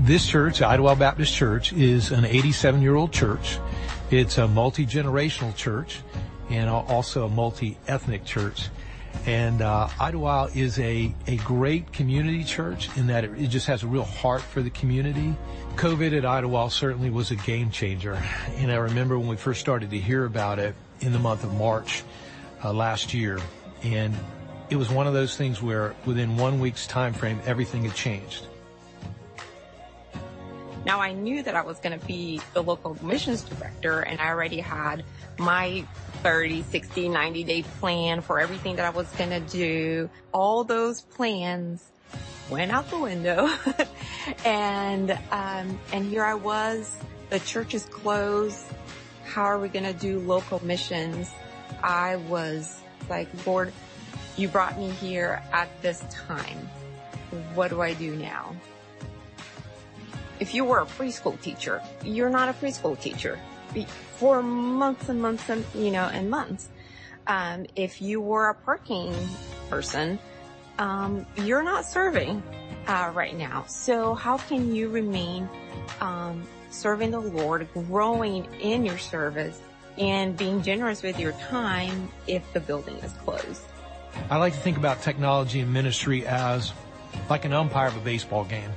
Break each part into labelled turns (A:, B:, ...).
A: This church, Idlewild Baptist Church, is a 87-year-old church. It's a multi-generational church and also a multi-ethnic church. Idlewild is a great community church in that it just has a real heart for the community. COVID-19 at Idlewild certainly was a game changer. I remember when we first started to hear about it in the month of March last year, and it was one of those things where within one week's timeframe, everything had changed.
B: Now, I knew that I was gonna be the local missions director, and I already had my 30, 60, 90-day plan for everything that I was gonna do. All those plans went out the window. Here I was, the church is closed. How are we gonna do local missions? I was like, "Lord, you brought me here at this time. What do I do now?" If you were a preschool teacher, you're not a preschool teacher for months and months and, you know, and months. If you were a parking person, you're not serving right now. How can you remain serving the Lord, growing in your service and being generous with your time if the building is closed?
A: I like to think about technology and ministry as like an umpire of a baseball game.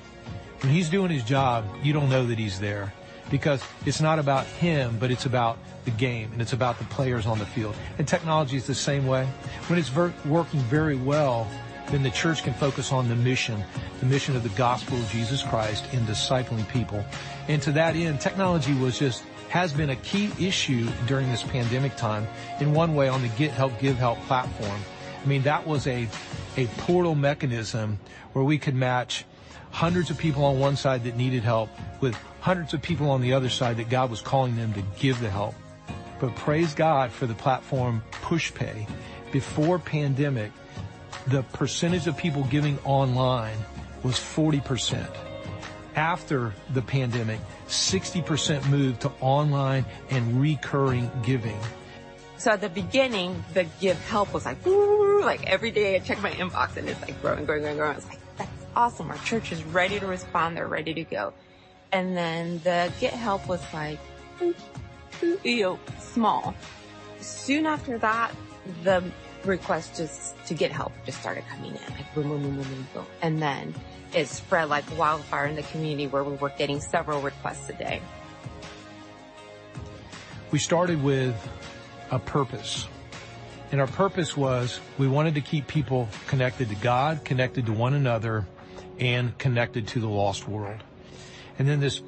A: When he's doing his job, you don't know that he's there because it's not about him, but it's about the game, and it's about the players on the field. Technology is the same way. When it's working very well, then the church can focus on the mission, the mission of the gospel of Jesus Christ in discipling people. To that end, technology has been a key issue during this pandemic time. In one way, on the Get Help Give Help platform, I mean, that was a portal mechanism where we could match hundreds of people on one side that needed help with hundreds of people on the other side that God was calling them to give the help. Praise God for the platform Pushpay. Before pandemic, the percentage of people giving online was 40%. After the pandemic, 60% moved to online and recurring giving.
B: At the beginning, the Give Help was like, ooh. Like, every day I check my inbox, and it's like growing, growing. It's like, "That's awesome. Our church is ready to respond. They're ready to go." Then the Get Help was like, boop, you know, small. Soon after that, the requests just to get help started coming in, like boom, boom, boom. Then it spread like wildfire in the community where we were getting several requests a day.
A: We started with a purpose, and our purpose was we wanted to keep people connected to God, connected to one another, and connected to the lost world. This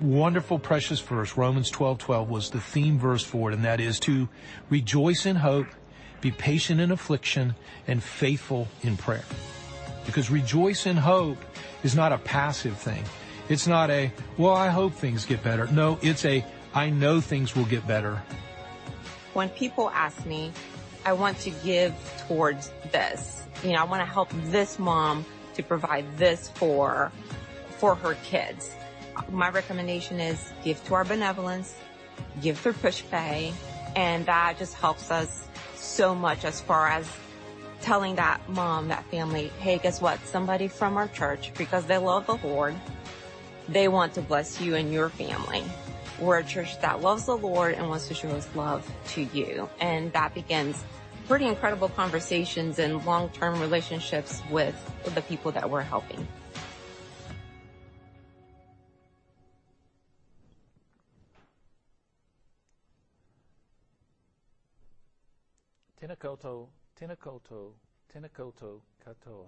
A: wonderful, precious verse, Romans 12:12, was the theme verse for it, and that is to rejoice in hope, be patient in affliction, and faithful in prayer. Because rejoice in hope is not a passive thing. It's not a, "Well, I hope things get better." No, it's a, "I know things will get better.
B: When people ask me, "I want to give towards this. You know, I wanna help this mom to provide this for her kids," my recommendation is give to our benevolence, give through Pushpay. That just helps us so much as far as telling that mom, that family, "Hey, guess what? Somebody from our church, because they love the Lord, they want to bless you and your family. We're a church that loves the Lord and wants to show His love to you." That begins pretty incredible conversations and long-term relationships with the people that we're helping.
C: Tena koutou, tena koutou, tena koutou katoa.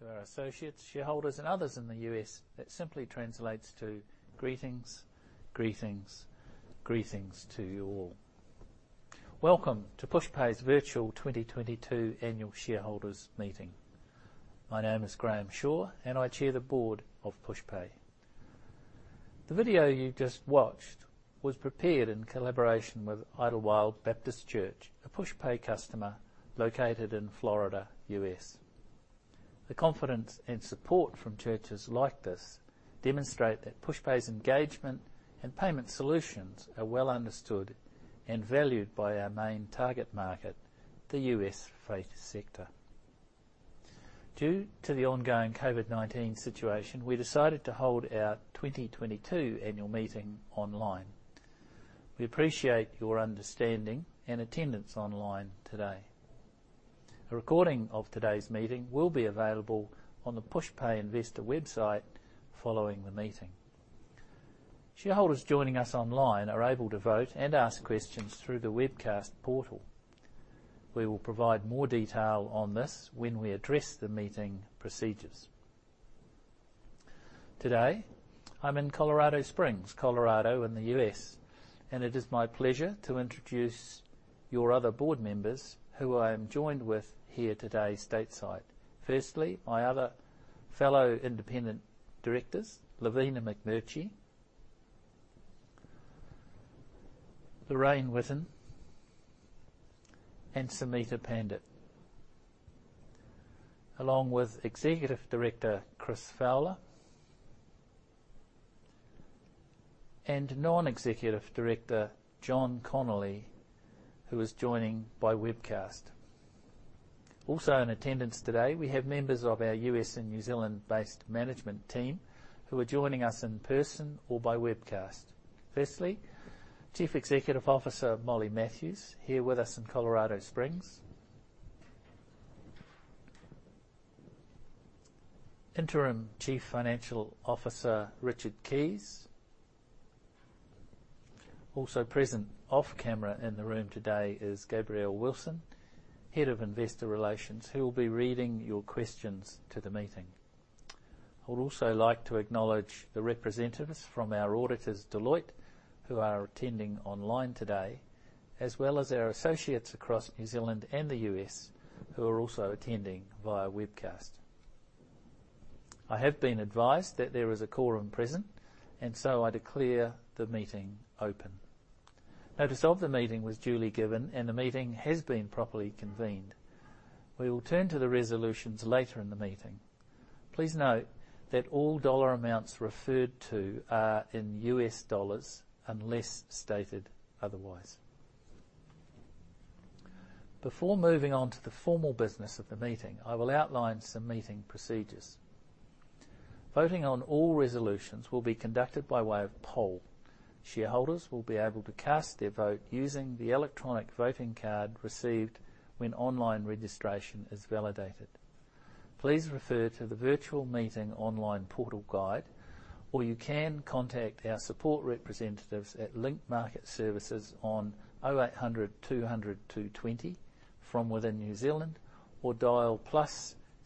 C: To our associates, shareholders, and others in the U.S., that simply translates to greetings, greetings to you all. Welcome to Pushpay's virtual 2022 Annual Shareholders' Meeting. My name is Graham Shaw, and I Chair the Board of Pushpay. The video you just watched was prepared in collaboration with Idlewild Baptist Church, a Pushpay customer located in Florida, U.S. The confidence and support from churches like this demonstrate that Pushpay's engagement and payment solutions are well understood and valued by our main target market, the U.S. faith sector. Due to the ongoing COVID-19 situation, we decided to hold our 2022 annual meeting online. We appreciate your understanding and attendance online today. A recording of today's meeting will be available on the Pushpay investor website following the meeting. Shareholders joining us online are able to vote and ask questions through the webcast portal. We will provide more detail on this when we address the meeting procedures. Today, I'm in Colorado Springs, Colorado, in the U.S., and it is my pleasure to introduce your other board members who I am joined with here today stateside. Firstly, my other fellow Independent Directors, Lovina McMurchy, Lorraine Witten, and Sumita Pandit, along with Executive Director Chris Fowler and Non-Executive Director John Connolly, who is joining by webcast. Also in attendance today, we have members of our US and New Zealand-based management team who are joining us in person or by webcast. Firstly, Chief Executive Officer Molly Matthews, here with us in Colorado Springs. Interim Chief Financial Officer Richard Keys. Also present off-camera in the room today is Gabrielle Wilson, Head of Investor Relations, who will be reading your questions to the meeting. I would also like to acknowledge the representatives from our auditors, Deloitte, who are attending online today, as well as our associates across New Zealand and the U.S. who are also attending via webcast. I have been advised that there is a quorum present, and so I declare the meeting open. Notice of the meeting was duly given, and the meeting has been properly convened. We will turn to the resolutions later in the meeting. Please note that all dollar amounts referred to are in U.S. dollars unless stated otherwise. Before moving on to the formal business of the meeting, I will outline some meeting procedures. Voting on all resolutions will be conducted by way of poll. Shareholders will be able to cast their vote using the electronic voting card received when online registration is validated. Please refer to the Virtual Meeting online portal guide, or you can contact our support representatives at Link Market Services on 0800 200 220 from within New Zealand or dial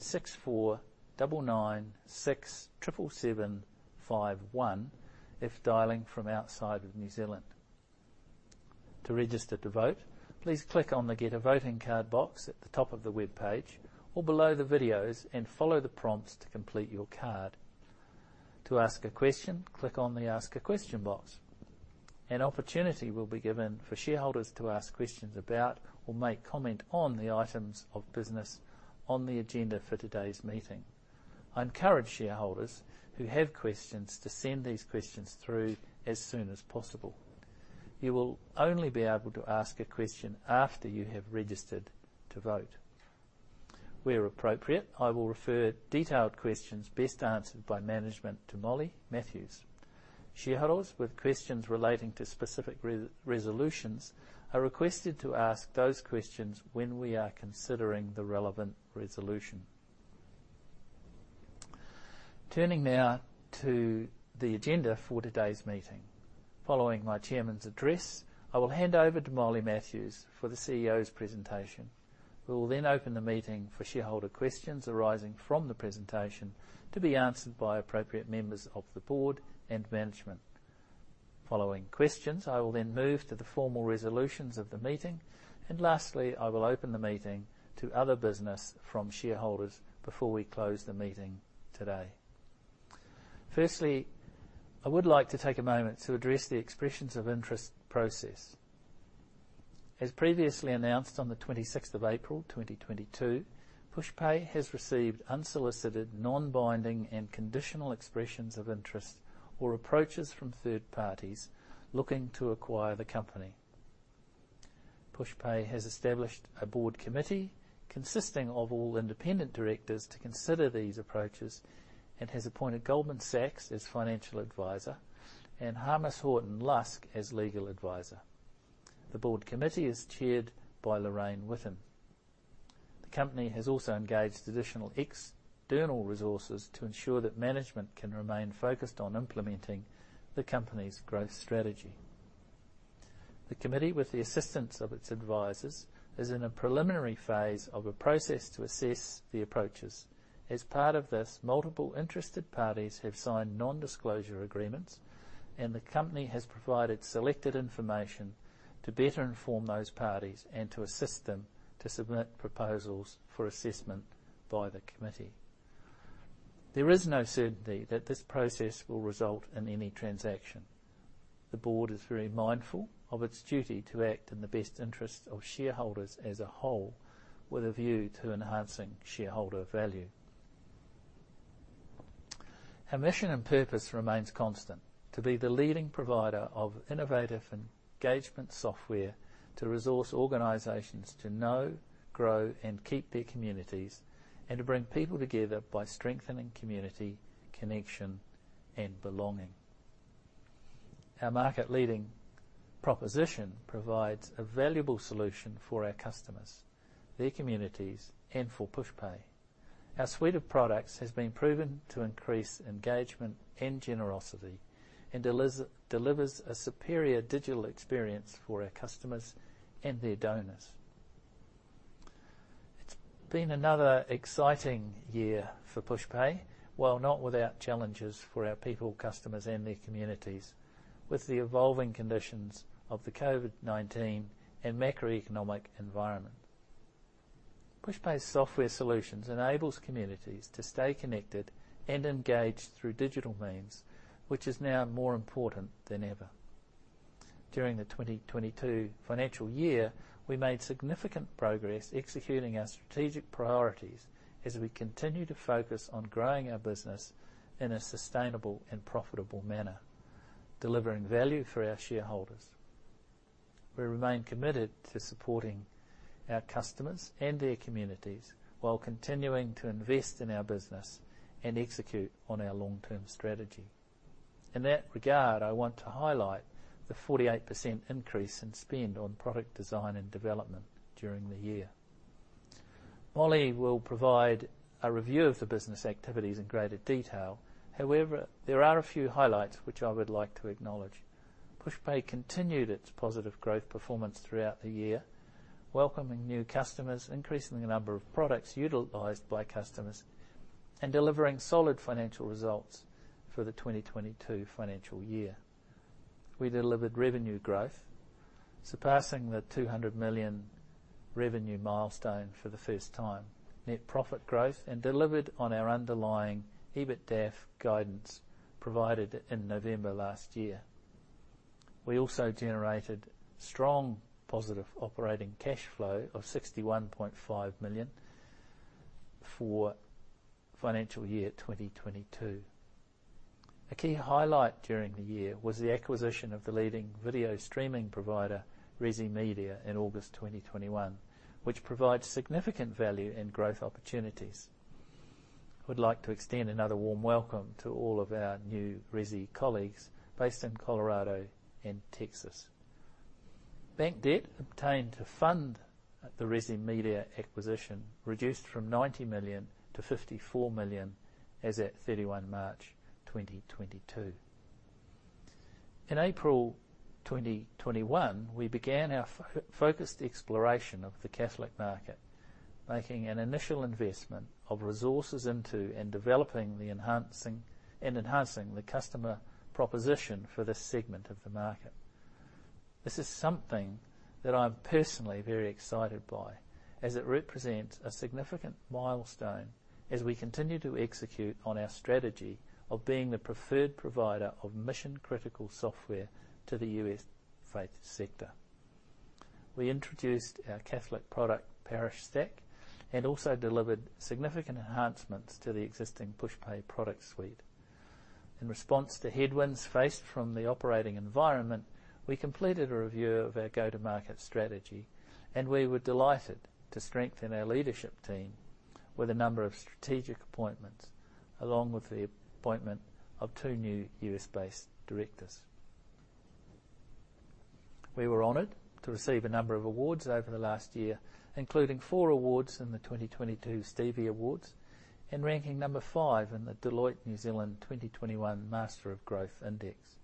C: +6499677751 if dialing from outside of New Zealand. To register to vote, please click on the Get a Voting Card box at the top of the webpage or below the videos and follow the prompts to complete your card. To ask a question, click on the Ask a Question box. An opportunity will be given for shareholders to ask questions about or make comment on the items of business on the agenda for today's meeting. I encourage shareholders who have questions to send these questions through as soon as possible. You will only be able to ask a question after you have registered to vote. Where appropriate, I will refer detailed questions best answered by management to Molly Matthews. Shareholders with questions relating to specific resolutions are requested to ask those questions when we are considering the relevant resolution. Turning now to the agenda for today's meeting. Following my chairman's address, I will hand over to Molly Matthews for the CEO's presentation, who will then open the meeting for shareholder questions arising from the presentation to be answered by appropriate members of the board and management. Following questions, I will then move to the formal resolutions of the meeting. Lastly, I will open the meeting to other business from shareholders before we close the meeting today. Firstly, I would like to take a moment to address the expressions of interest process. As previously announced on the 26th of April, 2022, Pushpay has received unsolicited, non-binding, and conditional expressions of interest or approaches from third parties looking to acquire the company. Pushpay has established a board committee consisting of all independent directors to consider these approaches and has appointed Goldman Sachs as financial advisor and Harmos Horton Lusk as legal advisor. The Board Committee is Chaired by Lorraine Witten. The company has also engaged additional external resources to ensure that management can remain focused on implementing the company's growth strategy. The committee, with the assistance of its advisors, is in a preliminary phase of a process to assess the approaches. As part of this, multiple interested parties have signed non-disclosure agreements, and the company has provided selected information to better inform those parties and to assist them to submit proposals for assessment by the committee. There is no certainty that this process will result in any transaction. The board is very mindful of its duty to act in the best interest of shareholders as a whole, with a view to enhancing shareholder value. Our mission and purpose remains constant: to be the leading provider of innovative engagement software to resource organizations to know, grow, and keep their communities, and to bring people together by strengthening community, connection, and belonging. Our market-leading proposition provides a valuable solution for our customers, their communities, and for Pushpay. Our suite of products has been proven to increase engagement and generosity and delivers a superior digital experience for our customers and their donors. It's been another exciting year for Pushpay, while not without challenges for our people, customers, and their communities, with the evolving conditions of the COVID-19 and macroeconomic environment. Pushpay software solutions enables communities to stay connected and engaged through digital means, which is now more important than ever. During the 2022 financial year, we made significant progress executing our strategic priorities as we continue to focus on growing our business in a sustainable and profitable manner, delivering value for our shareholders. We remain committed to supporting our customers and their communities while continuing to invest in our business and execute on our long-term strategy. In that regard, I want to highlight the 48% increase in spend on product design and development during the year. Molly will provide a review of the business activities in greater detail. However, there are a few highlights which I would like to acknowledge. Pushpay continued its positive growth performance throughout the year, welcoming new customers, increasing the number of products utilized by customers, and delivering solid financial results for the 2022 financial year. We delivered revenue growth, surpassing the $200 million revenue milestone for the first time, net profit growth, and delivered on our underlying EBITDAF guidance provided in November last year. We also generated strong positive operating cash flow of $61.5 million for financial year 2022. A key highlight during the year was the acquisition of the leading video streaming provider, Resi Media, in August 2021, which provides significant value and growth opportunities. Would like to extend another warm welcome to all of our new Resi colleagues based in Colorado and Texas. Bank debt obtained to fund the Resi Media acquisition reduced from $90 million-$54 million as at March 31st, 2022. In April 2021, we began our focused exploration of the Catholic market, making an initial investment of resources into and developing and enhancing the customer proposition for this segment of the market. This is something that I'm personally very excited by as it represents a significant milestone as we continue to execute on our strategy of being the preferred provider of mission-critical software to the US faith sector. We introduced our Catholic product, ParishStaq, and also delivered significant enhancements to the existing Pushpay product suite. In response to headwinds faced from the operating environment, we completed a review of our go-to-market strategy, and we were delighted to strengthen our leadership team with a number of strategic appointments, along with the appointment of two new U.S.-based directors. We were honored to receive a number of awards over the last year, including four awards in the 2022 Stevie Awards and ranking number five in the Deloitte New Zealand 2021 Master of Growth Index.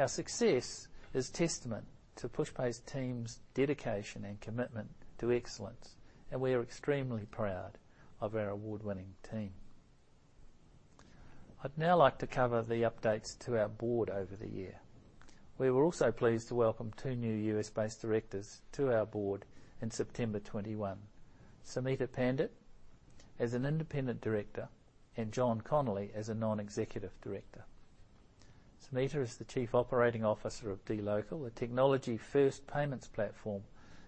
C: Our success is testament to Pushpay's team's dedication and commitment to excellence, and we are extremely proud of our award-winning team. I'd now like to cover the updates to our board over the year. We were also pleased to welcome two new U.S.-based Directors to our Board in September 2021, Sumita Pandit as an Independent Director and John Connolly as a Non-Executive Director. Sumita is the Chief Operating Officer of dLocal, a technology-first payments platform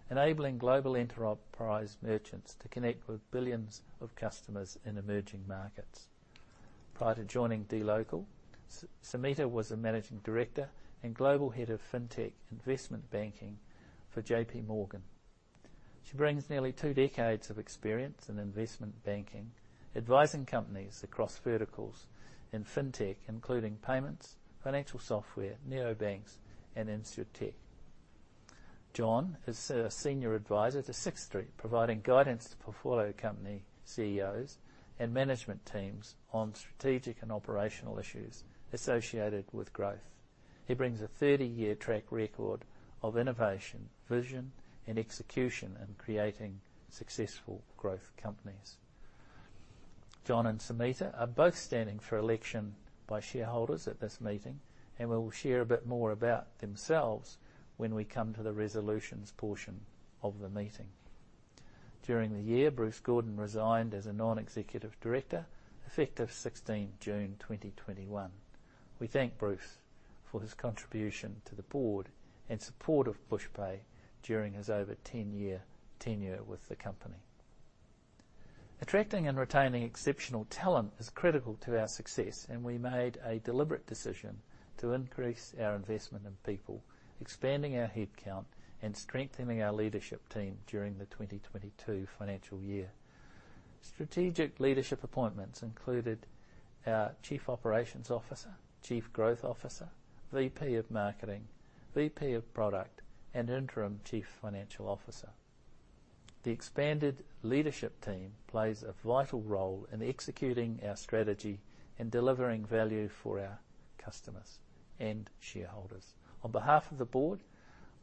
C: enabling global enterprise merchants to connect with billions of customers in emerging markets. Prior to joining dLocal, Sumita was a Managing Director and Global Head of Fintech Investment Banking for JPMorgan. She brings nearly two decades of experience in investment banking, advising companies across verticals in fintech, including payments, financial software, neobanks, and Insurtech. John is a senior advisor to Sixth Street, providing guidance to portfolio company CEOs and management teams on strategic and operational issues associated with growth. He brings a 30-year track record of innovation, vision, and execution in creating successful growth companies. John and Sumita are both standing for election by shareholders at this meeting, and will share a bit more about themselves when we come to the resolutions portion of the meeting. During the year, Bruce Gordon resigned as a Non-executive Director, effective 16th June 2021. We thank Bruce for his contribution to the board and support of Pushpay during his over 10-year tenure with the company. Attracting and retaining exceptional talent is critical to our success, and we made a deliberate decision to increase our investment in people, expanding our headcount and strengthening our leadership team during the 2022 financial year. Strategic leadership appointments included our Chief Operations Officer, Chief Growth Officer, VP of Marketing, VP of Product, and Interim Chief Financial Officer. The expanded leadership team plays a vital role in executing our strategy and delivering value for our customers and shareholders. On behalf of the board,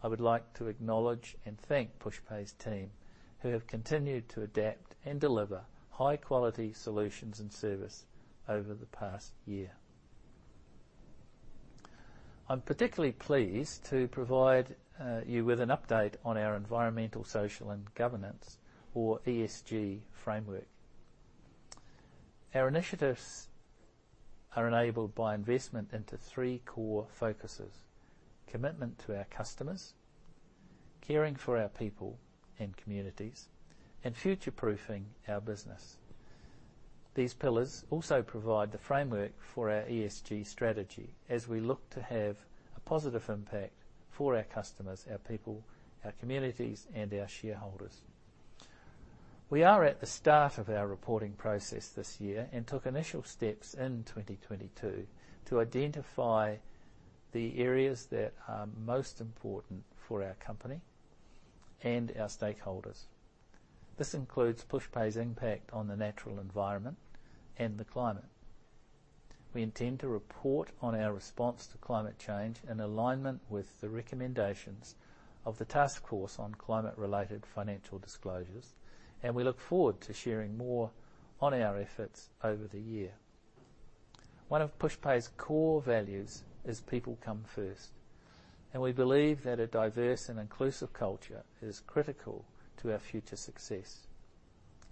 C: I would like to acknowledge and thank Pushpay's team, who have continued to adapt and deliver high-quality solutions and service over the past year. I'm particularly pleased to provide you with an update on our environmental, social, and governance or ESG framework. Our initiatives are enabled by investment into three core focuses, commitment to our customers, caring for our people and communities, and future-proofing our business. These pillars also provide the framework for our ESG strategy as we look to have a positive impact for our customers, our people, our communities, and our shareholders. We are at the start of our reporting process this year and took initial steps in 2022 to identify the areas that are most important for our company and our stakeholders. This includes Pushpay's impact on the natural environment and the climate. We intend to report on our response to climate change in alignment with the recommendations of the Task Force on Climate-related Financial Disclosures, and we look forward to sharing more on our efforts over the year. One of Pushpay's core values is people come first, and we believe that a diverse and inclusive culture is critical to our future success.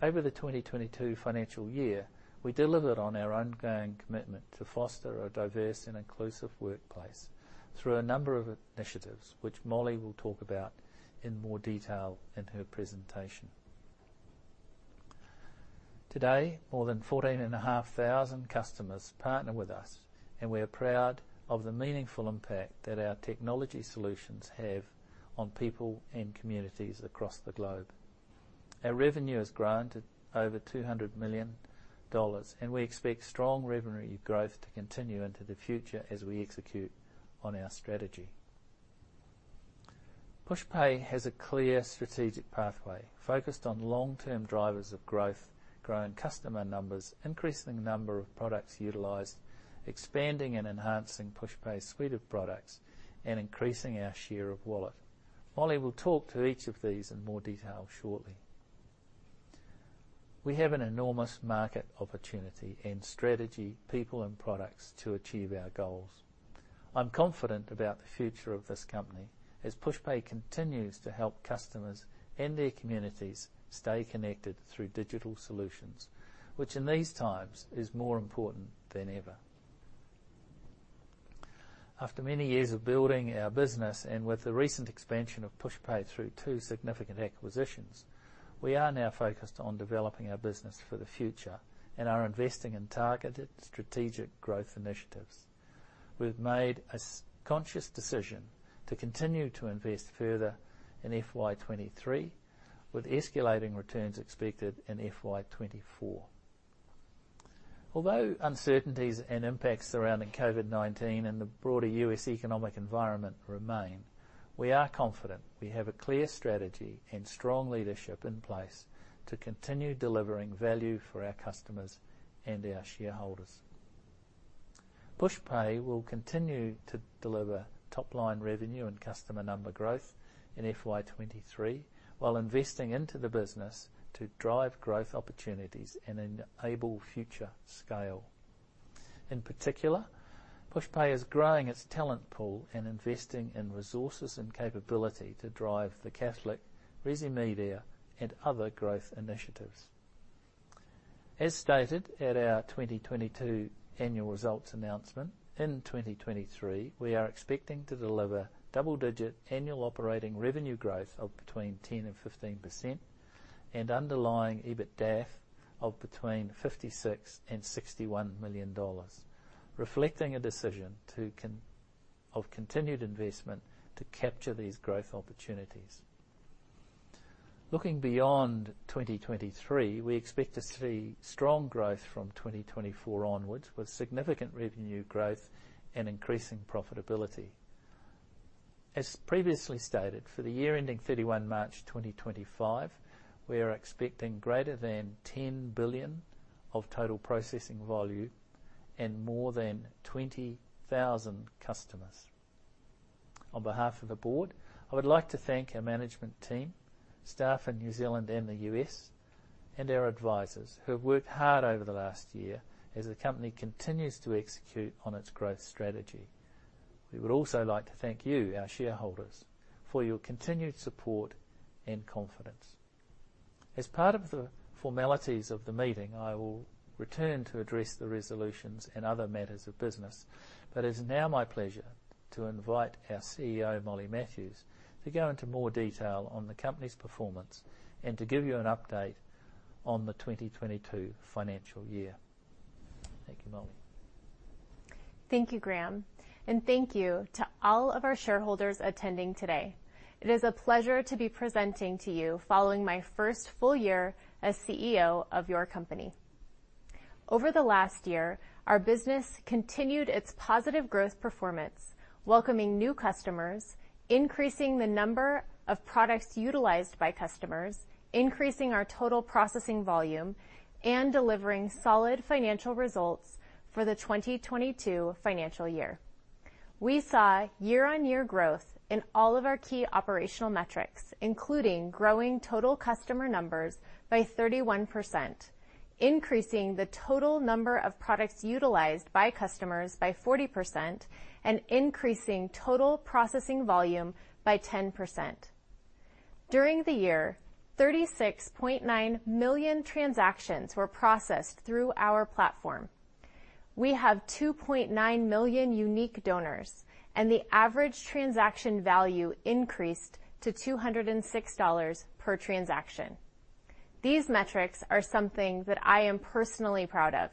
C: Over the 2022 financial year, we delivered on our ongoing commitment to foster a diverse and inclusive workplace through a number of initiatives which Molly will talk about in more detail in her presentation. Today, more than 14,500 customers partner with us, and we are proud of the meaningful impact that our technology solutions have on people and communities across the globe. Our revenue has grown to over $200 million, and we expect strong revenue growth to continue into the future as we execute on our strategy. Pushpay has a clear strategic pathway focused on long-term drivers of growth, growing customer numbers, increasing the number of products utilized, expanding and enhancing Pushpay's suite of products, and increasing our share of wallet. Molly will talk to each of these in more detail shortly. We have an enormous market opportunity and strategy, people and products to achieve our goals. I'm confident about the future of this company as Pushpay continues to help customers and their communities stay connected through digital solutions, which in these times is more important than ever. After many years of building our business and with the recent expansion of Pushpay through two significant acquisitions, we are now focused on developing our business for the future and are investing in targeted strategic growth initiatives. We've made a conscious decision to continue to invest further in FY 2023, with escalating returns expected in FY 2024. Although uncertainties and impacts surrounding COVID-19 and the broader U.S. economic environment remain, we are confident we have a clear strategy and strong leadership in place to continue delivering value for our customers and our shareholders. Pushpay will continue to deliver top-line revenue and customer number growth in FY 2023 while investing into the business to drive growth opportunities and enable future scale. In particular, Pushpay is growing its talent pool and investing in resources and capability to drive the Catholic Resi Media and other growth initiatives. As stated at our 2022 annual results announcement, in 2023, we are expecting to deliver double-digit annual operating revenue growth of between 10% and 15% and underlying EBITDAF of between $56 million and $61 million, reflecting a decision of continued investment to capture these growth opportunities. Looking beyond 2023, we expect to see strong growth from 2024 onwards, with significant revenue growth and increasing profitability. As previously stated, for the year ending 31st March 2025, we are expecting greater than $10 billion of total processing volume and more than 20,000 customers. On behalf of the board, I would like to thank our management team, staff in New Zealand and the U.S., and our advisors who have worked hard over the last year as the company continues to execute on its growth strategy. We would also like to thank you, our shareholders, for your continued support and confidence. As part of the formalities of the meeting, I will return to address the resolutions and other matters of business, but it's now my pleasure to invite our CEO, Molly Matthews, to go into more detail on the company's performance and to give you an update on the 2022 financial year. Thank you, Molly.
D: Thank you, Graham, and thank you to all of our shareholders attending today. It is a pleasure to be presenting to you following my first full year as CEO of your company. Over the last year, our business continued its positive growth performance, welcoming new customers, increasing the number of products utilized by customers, increasing our total processing volume, and delivering solid financial results for the 2022 financial year. We saw year-on-year growth in all of our key operational metrics, including growing total customer numbers by 31%, increasing the total number of products utilized by customers by 40%, and increasing total processing volume by 10%. During the year, 36.9 million transactions were processed through our platform. We have 2.9 million unique donors, and the average transaction value increased to $206 per transaction. These metrics are something that I am personally proud of.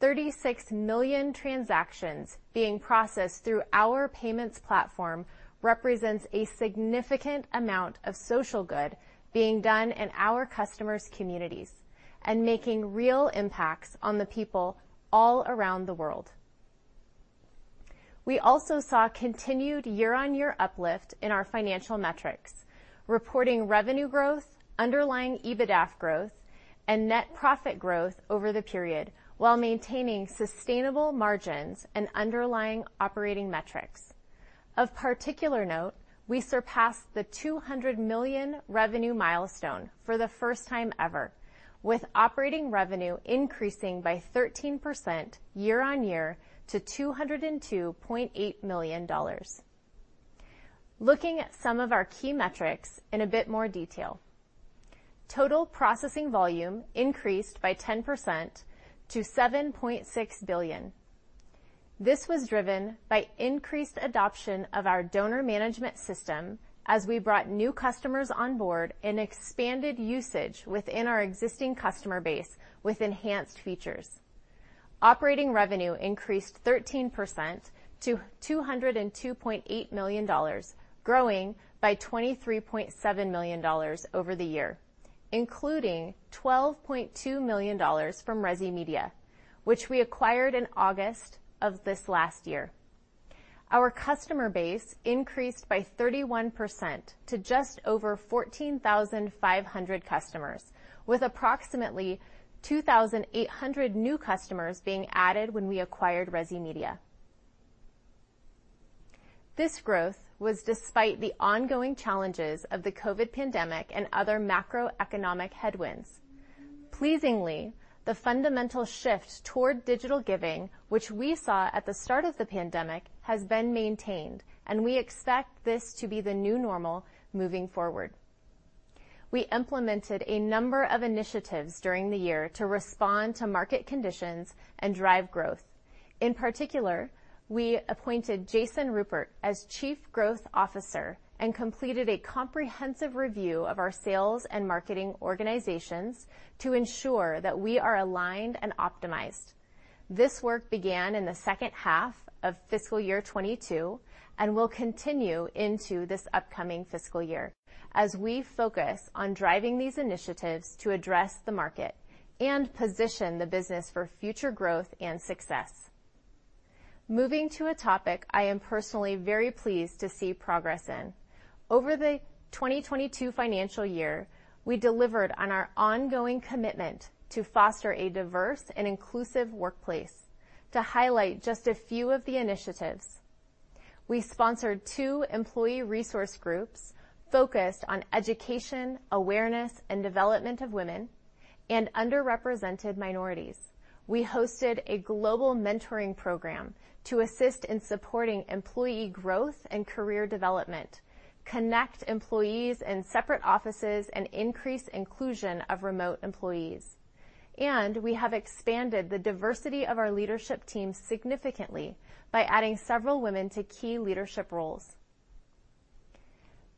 D: 36 million transactions being processed through our payments platform represents a significant amount of social good being done in our customers' communities and making real impacts on the people all around the world. We also saw continued year-on-year uplift in our financial metrics, reporting revenue growth, underlying EBITDA growth, and net profit growth over the period, while maintaining sustainable margins and underlying operating metrics. Of particular note, we surpassed the 200 million revenue milestone for the first time ever, with operating revenue increasing by 13% year-on-year to $202.8 million. Looking at some of our key metrics in a bit more detail. Total processing volume increased by 10% to $7.6 billion. This was driven by increased adoption of our donor management system as we brought new customers on board and expanded usage within our existing customer base with enhanced features. Operating revenue increased 13% to $202.8 million, growing by $23.7 million over the year, including $12.2 million from Resi Media, which we acquired in August of this last year. Our customer base increased by 31% to just over 14,500 customers, with approximately 2,800 new customers being added when we acquired Resi Media. This growth was despite the ongoing challenges of the COVID pandemic and other macroeconomic headwinds. Pleasingly, the fundamental shift toward digital giving, which we saw at the start of the pandemic, has been maintained, and we expect this to be the new normal moving forward. We implemented a number of initiatives during the year to respond to market conditions and drive growth. In particular, we appointed Jason Rupert as Chief Growth Officer and completed a comprehensive review of our sales and marketing organizations to ensure that we are aligned and optimized. This work began in the second half of fiscal year 2022 and will continue into this upcoming fiscal year as we focus on driving these initiatives to address the market and position the business for future growth and success. Moving to a topic I am personally very pleased to see progress in. Over the 2022 financial year, we delivered on our ongoing commitment to foster a diverse and inclusive workplace. To highlight just a few of the initiatives, we sponsored two employee resource groups focused on education, awareness, and development of women and underrepresented minorities. We hosted a global mentoring program to assist in supporting employee growth and career development, connect employees in separate offices, and increase inclusion of remote employees. We have expanded the diversity of our leadership team significantly by adding several women to key leadership roles.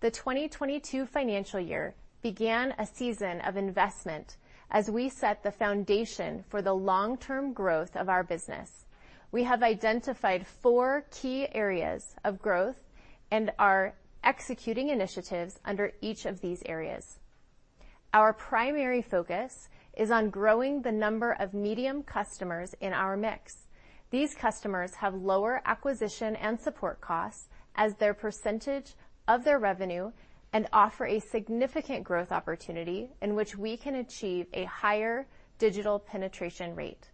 D: The 2022 financial year began a season of investment as we set the foundation for the long-term growth of our business. We have identified four key areas of growth and are executing initiatives under each of these areas. Our primary focus is on growing the number of medium customers in our mix. These customers have lower acquisition and support costs as a percentage of their revenue and offer a significant growth opportunity in which we can achieve a higher digital penetration rate.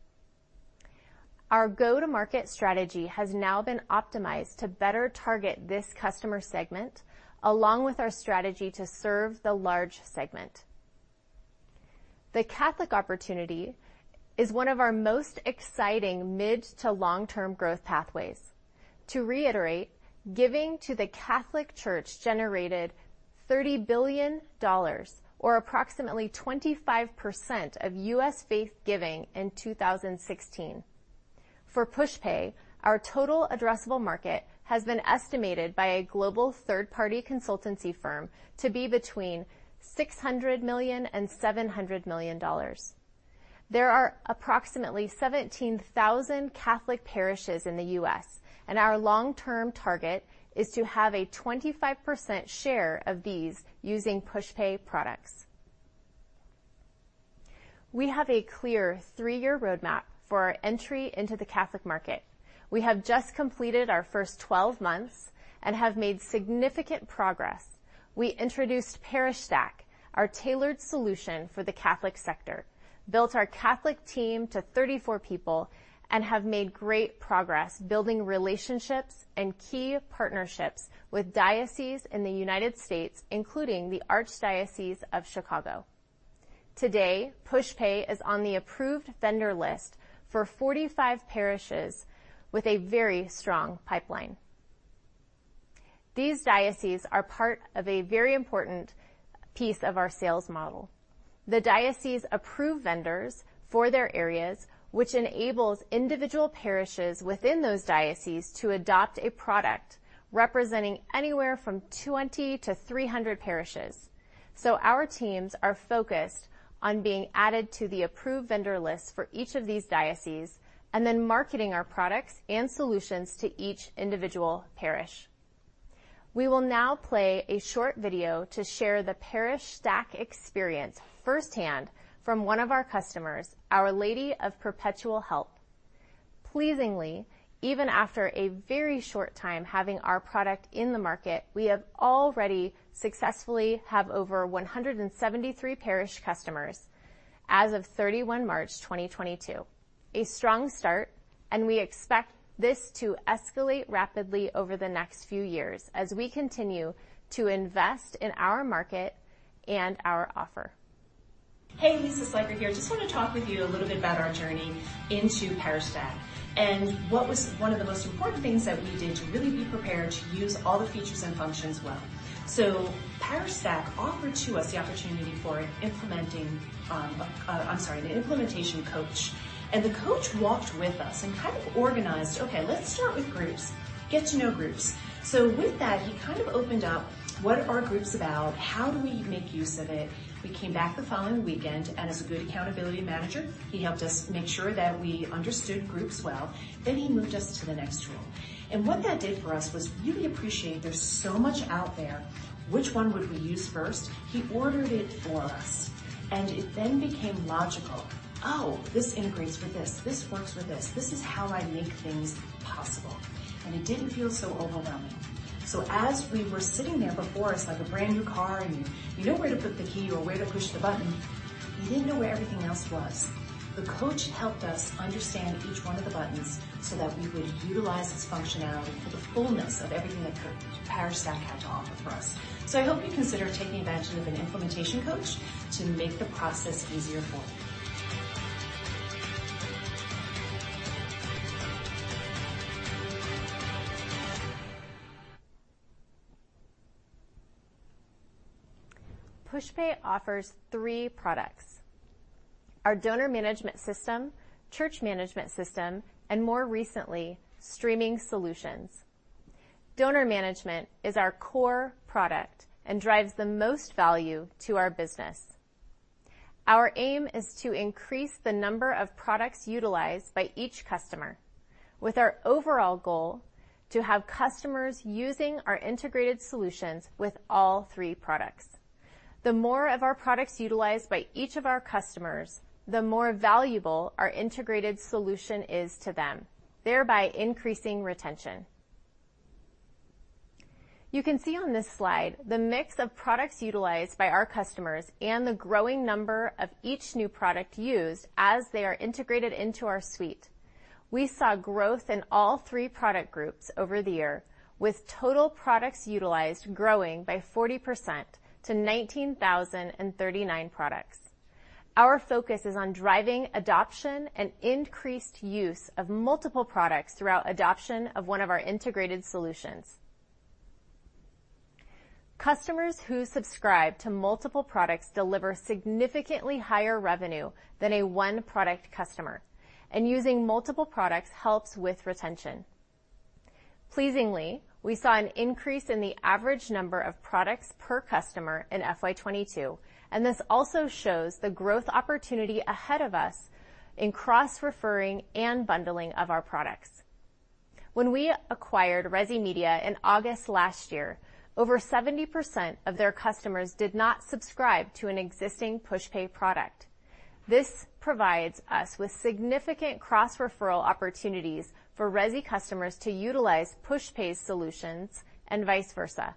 D: Our go-to-market strategy has now been optimized to better target this customer segment along with our strategy to serve the large segment. The Catholic opportunity is one of our most exciting mid to long-term growth pathways. To reiterate, giving to the Catholic Church generated $30 billion or approximately 25% of U.S. faith giving in 2016. For Pushpay, our total addressable market has been estimated by a global third-party consultancy firm to be between $600 million and $700 million. There are approximately 17,000 Catholic parishes in the U.S., and our long-term target is to have a 25% share of these using Pushpay products. We have a clear three-year roadmap for our entry into the Catholic market. We have just completed our first 12 months and have made significant progress. We introduced ParishStaq, our tailored solution for the Catholic sector, built our Catholic team to 34 people, and have made great progress building relationships and key partnerships with dioceses in the United States, including the Archdiocese of Chicago. Today, Pushpay is on the approved vendor list for 45 parishes with a very strong pipeline. These dioceses are part of a very important piece of our sales model. The diocese approve vendors for their areas, which enables individual parishes within those diocese to adopt a product representing anywhere from 20 to 300 parishes. Our teams are focused on being added to the approved vendor list for each of these diocese, and then marketing our products and solutions to each individual parish. We will now play a short video to share the ParishStaq experience firsthand from one of our customers, Our Lady of Perpetual Help. Pleasingly, even after a very short time having our product in the market, we already successfully have over 173 parish customers as of 31st March 2022. A strong start, and we expect this to escalate rapidly over the next few years as we continue to invest in our market and our offer.
E: Hey, Lisa Schleicher here. Just wanna talk with you a little bit about our journey into ParishStaq and what was one of the most important things that we did to really be prepared to use all the features and functions well. ParishStaq offered to us the opportunity for the implementation coach. The coach walked with us and kind of organized, "Okay, let's start with groups. Get to know groups." With that, he kind of opened up what are groups about? How do we make use of it? We came back the following weekend, and as a good accountability manager, he helped us make sure that we understood groups well, then he moved us to the next tool. What that did for us was really appreciate there's so much out there, which one would we use first? He ordered it for us, and it then became logical. Oh, this integrates with this. This works with this. This is how I make things possible, and it didn't feel so overwhelming. As we were sitting there before us, like a brand-new car, and you know where to put the key or where to push the button, you didn't know where everything else was. The coach helped us understand each one of the buttons so that we would utilize its functionality for the fullness of everything that ParishStaq had to offer for us. I hope you consider taking advantage of an implementation coach to make the process easier for you.
D: Pushpay offers three products, our donor management system, church management system, and more recently, streaming solutions. Donor management is our core product and drives the most value to our business. Our aim is to increase the number of products utilized by each customer, with our overall goal to have customers using our integrated solutions with all three products. The more of our products utilized by each of our customers, the more valuable our integrated solution is to them, thereby increasing retention. You can see on this slide the mix of products utilized by our customers and the growing number of each new product used as they are integrated into our suite. We saw growth in all three product groups over the year, with total products utilized growing by 40% to 19,039 products. Our focus is on driving adoption and increased use of multiple products throughout adoption of one of our integrated solutions. Customers who subscribe to multiple products deliver significantly higher revenue than a one-product customer, and using multiple products helps with retention. Pleasingly, we saw an increase in the average number of products per customer in FY 2022, and this also shows the growth opportunity ahead of us in cross-referring and bundling of our products. When we acquired Resi Media in August last year, over 70% of their customers did not subscribe to an existing Pushpay product. This provides us with significant cross-referral opportunities for Resi customers to utilize Pushpay solutions and vice versa.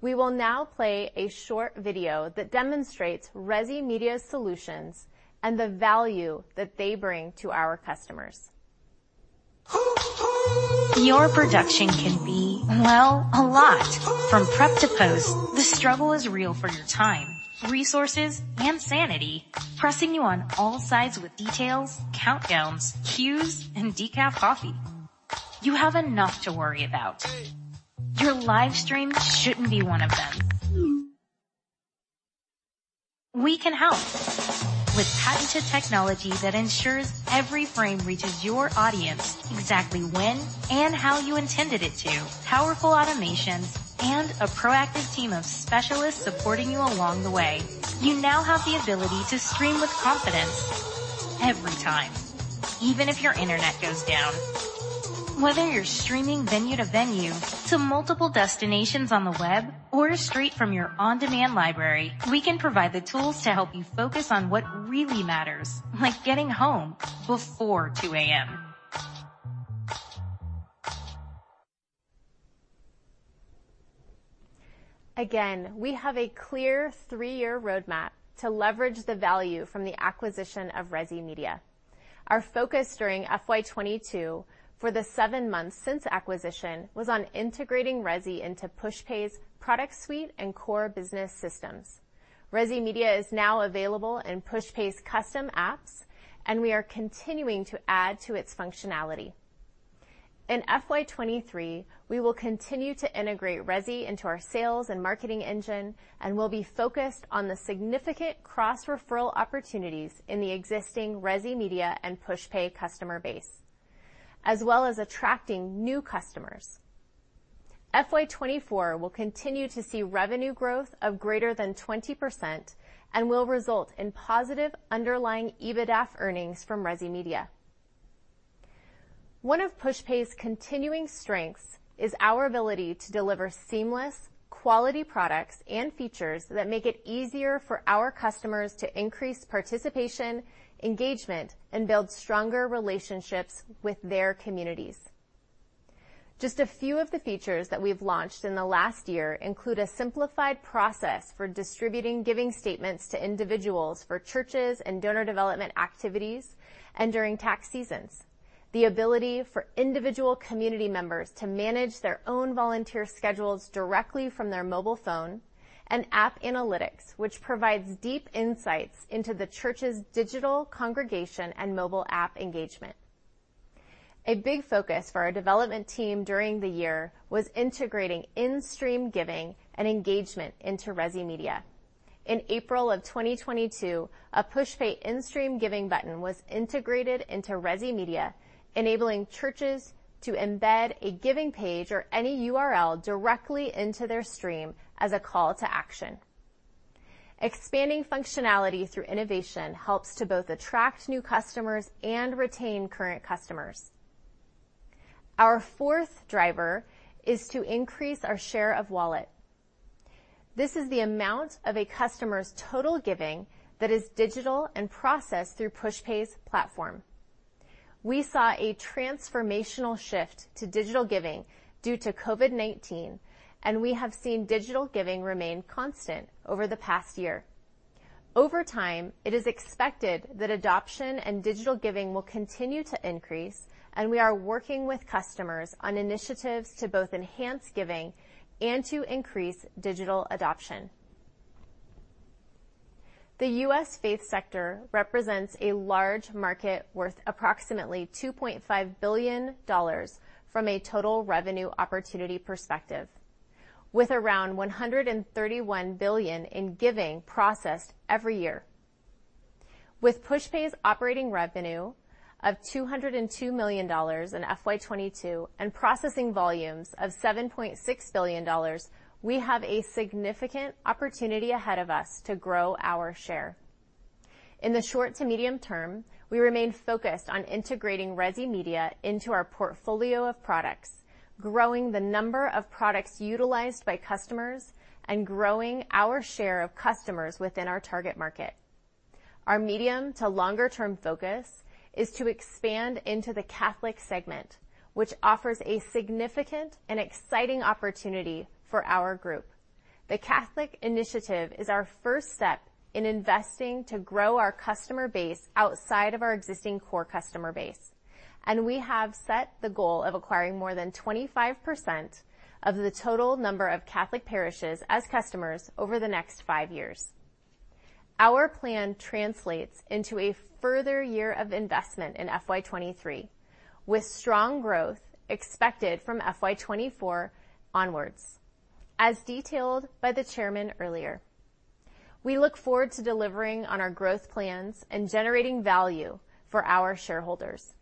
D: We will now play a short video that demonstrates Resi Media solutions and the value that they bring to our customers.
F: Your production can be, well, a lot. From prep to post, the struggle is real for your time, resources, and sanity, pressing you on all sides with details, countdowns, cues, and decaf coffee. You have enough to worry about. Your live stream shouldn't be one of them. We can help. With patented technology that ensures every frame reaches your audience exactly when and how you intended it to, powerful automations, and a proactive team of specialists supporting you along the way, you now have the ability to stream with confidence every time, even if your internet goes down. Whether you're streaming venue to venue, to multiple destinations on the web, or straight from your on-demand library, we can provide the tools to help you focus on what really matters, like getting home before 2:00 A.M.
D: Again, we have a clear three-year roadmap to leverage the value from the acquisition of Resi Media. Our focus during FY 2022 for the seven months since acquisition was on integrating Resi into Pushpay's product suite and core business systems. Resi Media is now available in Pushpay's custom apps, and we are continuing to add to its functionality. In FY 2023, we will continue to integrate Resi into our sales and marketing engine and will be focused on the significant cross-referral opportunities in the existing Resi Media and Pushpay customer base, as well as attracting new customers. FY 2024 will continue to see revenue growth of greater than 20% and will result in positive underlying EBITDAF earnings from Resi Media. One of Pushpay's continuing strengths is our ability to deliver seamless quality products and features that make it easier for our customers to increase participation, engagement, and build stronger relationships with their communities. Just a few of the features that we've launched in the last year include a simplified process for distributing giving statements to individuals for churches and donor development activities and during tax seasons, the ability for individual community members to manage their own volunteer schedules directly from their mobile phone, and app analytics, which provides deep insights into the church's digital congregation and mobile app engagement. A big focus for our development team during the year was integrating in-stream giving and engagement into Resi Media. In April of 2022, a Pushpay in-stream giving button was integrated into Resi Media, enabling churches to embed a giving page or any URL directly into their stream as a call to action. Expanding functionality through innovation helps to both attract new customers and retain current customers. Our fourth driver is to increase our share of wallet. This is the amount of a customer's total giving that is digital and processed through Pushpay's platform. We saw a transformational shift to digital giving due to COVID-19, and we have seen digital giving remain constant over the past year. Over time, it is expected that adoption and digital giving will continue to increase, and we are working with customers on initiatives to both enhance giving and to increase digital adoption. The US faith sector represents a large market worth approximately $2.5 billion from a total revenue opportunity perspective, with around $131 billion in giving processed every year. With Pushpay's operating revenue of $202 million in FY 2022 and processing volumes of $7.6 billion, we have a significant opportunity ahead of us to grow our share. In the short to medium term, we remain focused on integrating Resi Media into our portfolio of products, growing the number of products utilized by customers, and growing our share of customers within our target market. Our medium to longer term focus is to expand into the Catholic segment, which offers a significant and exciting opportunity for our group. The Catholic initiative is our first step in investing to grow our customer base outside of our existing core customer base, and we have set the goal of acquiring more than 25% of the total number of Catholic parishes as customers over the next 5 years. Our plan translates into a further year of investment in FY 2023, with strong growth expected from FY 2024 onwards, as detailed by the Chairman earlier. We look forward to delivering on our growth plans and generating value for our shareholders.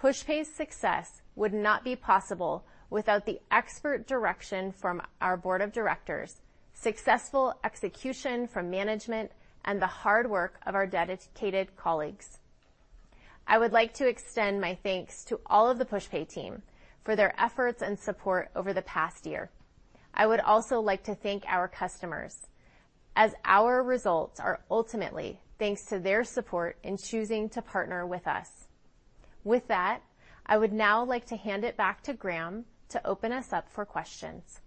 D: Pushpay's success would not be possible without the expert direction from our Board of Directors, successful execution from management, and the hard work of our dedicated colleagues. I would like to extend my thanks to all of the Pushpay team for their efforts and support over the past year. I would also like to thank our customers, as our results are ultimately thanks to their support in choosing to partner with us. With that, I would now like to hand it back to Graham to open us up for questions.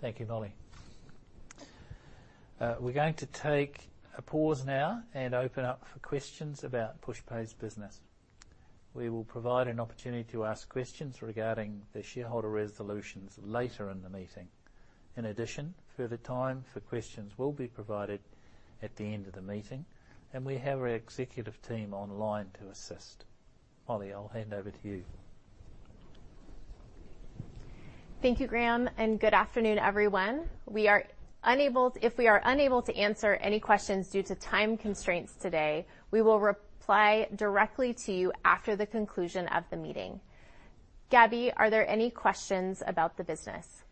C: Thank you, Molly. We're going to take a pause now and open up for questions about Pushpay's business. We will provide an opportunity to ask questions regarding the shareholder resolutions later in the meeting. In addition, further time for questions will be provided at the end of the meeting, and we have our executive team online to assist. Molly, I'll hand over to you.
D: Thank you, Graham, and good afternoon, everyone. If we are unable to answer any questions due to time constraints today, we will reply directly to you after the conclusion of the meeting. Gabby, are there any questions about the business?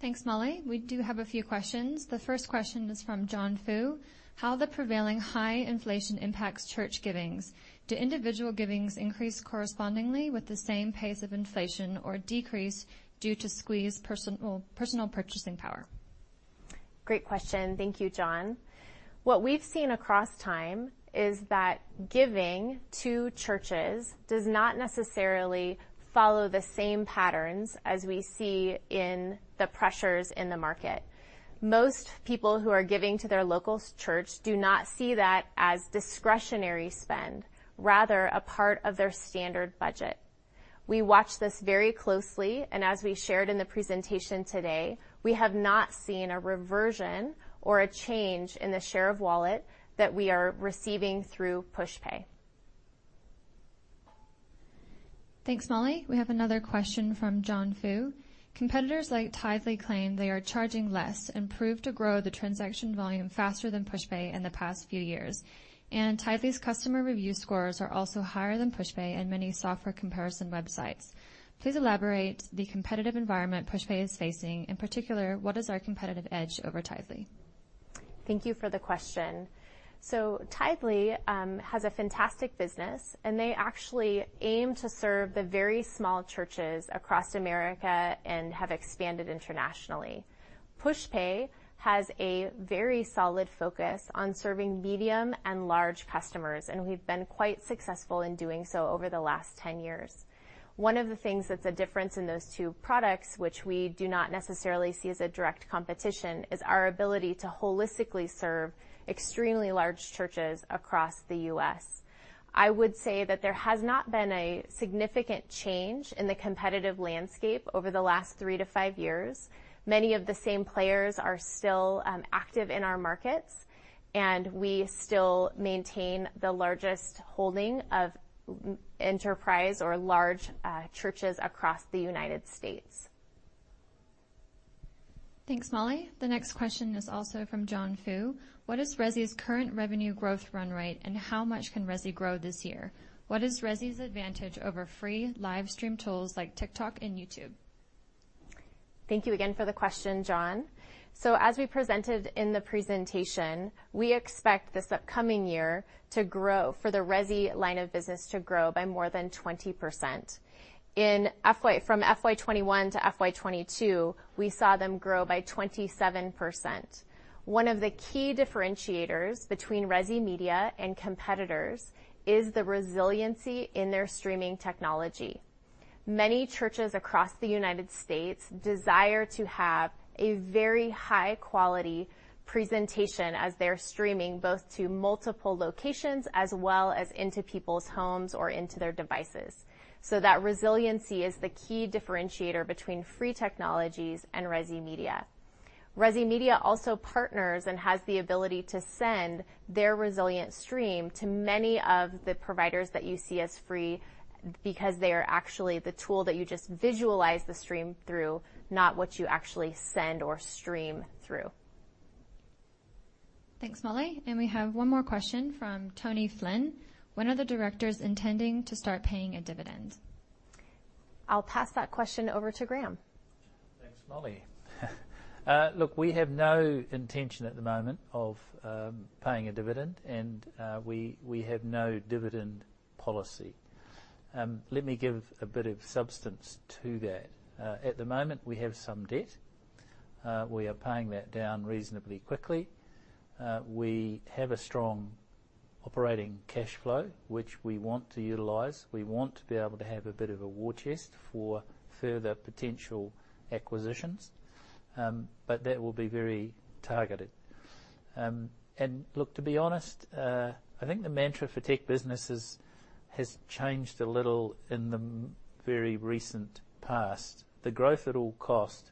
G: Thanks, Molly. We do have a few questions. The first question is from John Fu. How the prevailing high inflation impacts church givings. Do individual givings increase correspondingly with the same pace of inflation or decrease due to squeezed personal purchasing power?
D: Great question. Thank you, John. What we've seen across time is that giving to churches does not necessarily follow the same patterns as we see in the pressures in the market. Most people who are giving to their local church do not see that as discretionary spend, rather a part of their standard budget. We watch this very closely, and as we shared in the presentation today, we have not seen a reversion or a change in the share of wallet that we are receiving through Pushpay.
G: Thanks, Molly. We have another question from John Fu. "Competitors like Tithe.ly claim they are charging less and prove to grow the transaction volume faster than Pushpay in the past few years. Tithe.ly's customer review scores are also higher than Pushpay in many software comparison websites. Please elaborate the competitive environment Pushpay is facing. In particular, what is our competitive edge over Tithe.ly?
D: Thank you for the question. Tithe.ly has a fantastic business, and they actually aim to serve the very small churches across America and have expanded internationally. Pushpay has a very solid focus on serving medium and large customers, and we've been quite successful in doing so over the last 10 years. One of the things that's a difference in those two products, which we do not necessarily see as a direct competition, is our ability to holistically serve extremely large churches across the U.S. I would say that there has not been a significant change in the competitive landscape over the last three-five years. Many of the same players are still active in our markets, and we still maintain the largest holding of enterprise or large churches across the United States.
G: Thanks, Molly. The next question is also from John Fu. "What is Resi's current revenue growth run rate, and how much can Resi grow this year? What is Resi's advantage over free live stream tools like TikTok and YouTube?
D: Thank you again for the question, John. As we presented in the presentation, we expect the Resi line of business to grow by more than 20%. From FY21 to FY22, we saw them grow by 27%. One of the key differentiators between Resi Media and competitors is the resiliency in their streaming technology. Many churches across the United States desire to have a very high quality presentation as they're streaming, both to multiple locations as well as into people's homes or into their devices. That resiliency is the key differentiator between free technologies and Resi Media. Resi Media also partners and has the ability to send their resilient stream to many of the providers that you see as free, because they are actually the tool that you just visualize the stream through, not what you actually send or stream through.
G: Thanks, Molly. We have one more question from Tony Flynn. "When are the directors intending to start paying a dividend?
D: I'll pass that question over to Graham.
C: Thanks, Molly. Look, we have no intention at the moment of paying a dividend, and we have no dividend policy. Let me give a bit of substance to that. At the moment, we have some debt. We are paying that down reasonably quickly. We have a strong operating cash flow, which we want to utilize. We want to be able to have a bit of a war chest for further potential acquisitions, but that will be very targeted. Look, to be honest, I think the mantra for tech businesses has changed a little in the very recent past. The growth at all cost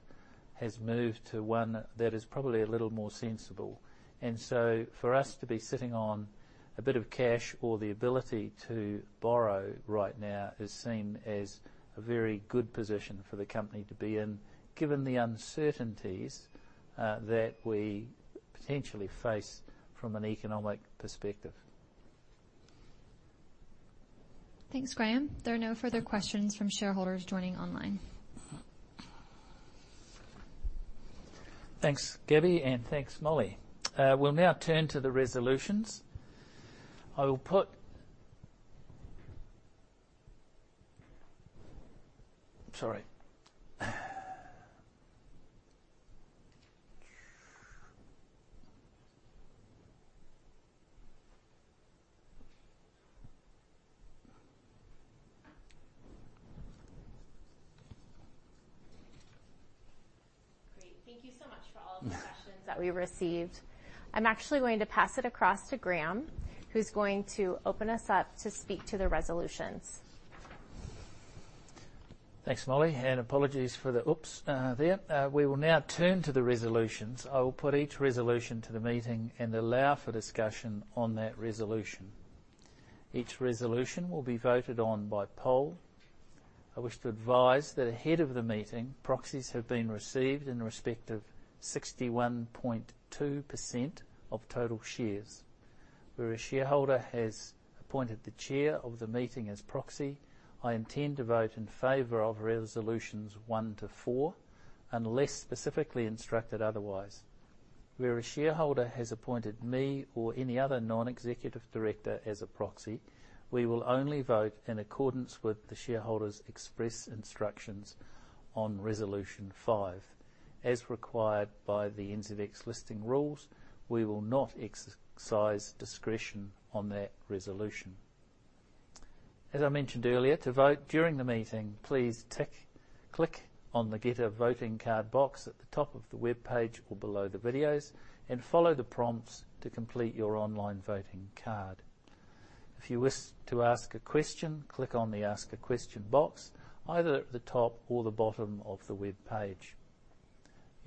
C: has moved to one that is probably a little more sensible. For us to be sitting on a bit of cash or the ability to borrow right now is seen as a very good position for the company to be in, given the uncertainties that we potentially face from an economic perspective.
G: Thanks, Graham. There are no further questions from shareholders joining online.
C: Thanks, Gabby, and thanks, Molly. We'll now turn to the resolutions. Sorry.
D: Great. Thank you so much for all of the questions that we received. I'm actually going to pass it across to Graham, who's going to open us up to speak to the resolutions.
C: Thanks, Molly, and apologies for the oops there. We will now turn to the resolutions. I will put each resolution to the meeting and allow for discussion on that resolution. Each resolution will be voted on by poll. I wish to advise that ahead of the meeting, proxies have been received in respect of 61.2% of total shares. Where a shareholder has appointed the chair of the meeting as proxy, I intend to vote in favor of resolutions one to four, unless specifically instructed otherwise. Where a shareholder has appointed me or any other Non-executive Director as a proxy, we will only vote in accordance with the shareholder's express instructions on resolution five. As required by the NZX Listing Rules, we will not exercise discretion on that resolution. As I mentioned earlier, to vote during the meeting, please click on the Get a Voting Card box at the top of the webpage or below the videos and follow the prompts to complete your online voting card. If you wish to ask a question, click on the Ask a Question box, either at the top or the bottom of the webpage.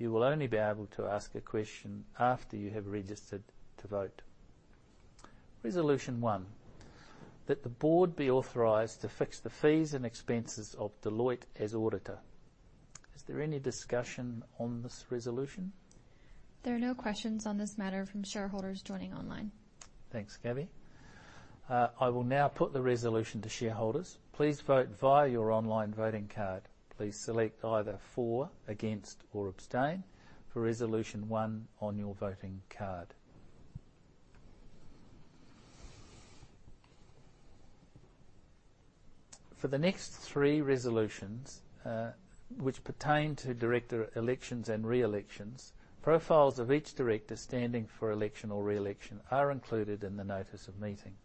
C: You will only be able to ask a question after you have registered to vote. Resolution one, that the board be authorized to fix the fees and expenses of Deloitte as auditor. Is there any discussion on this resolution?
G: There are no questions on this matter from shareholders joining online.
C: Thanks, Gabby. I will now put the resolution to shareholders. Please vote via your online voting card. Please select either for, against, or abstain for resolution one on your voting card. For the next three resolutions, which pertain to director elections and re-elections, profiles of each director standing for election or re-election are included in the notice of meeting.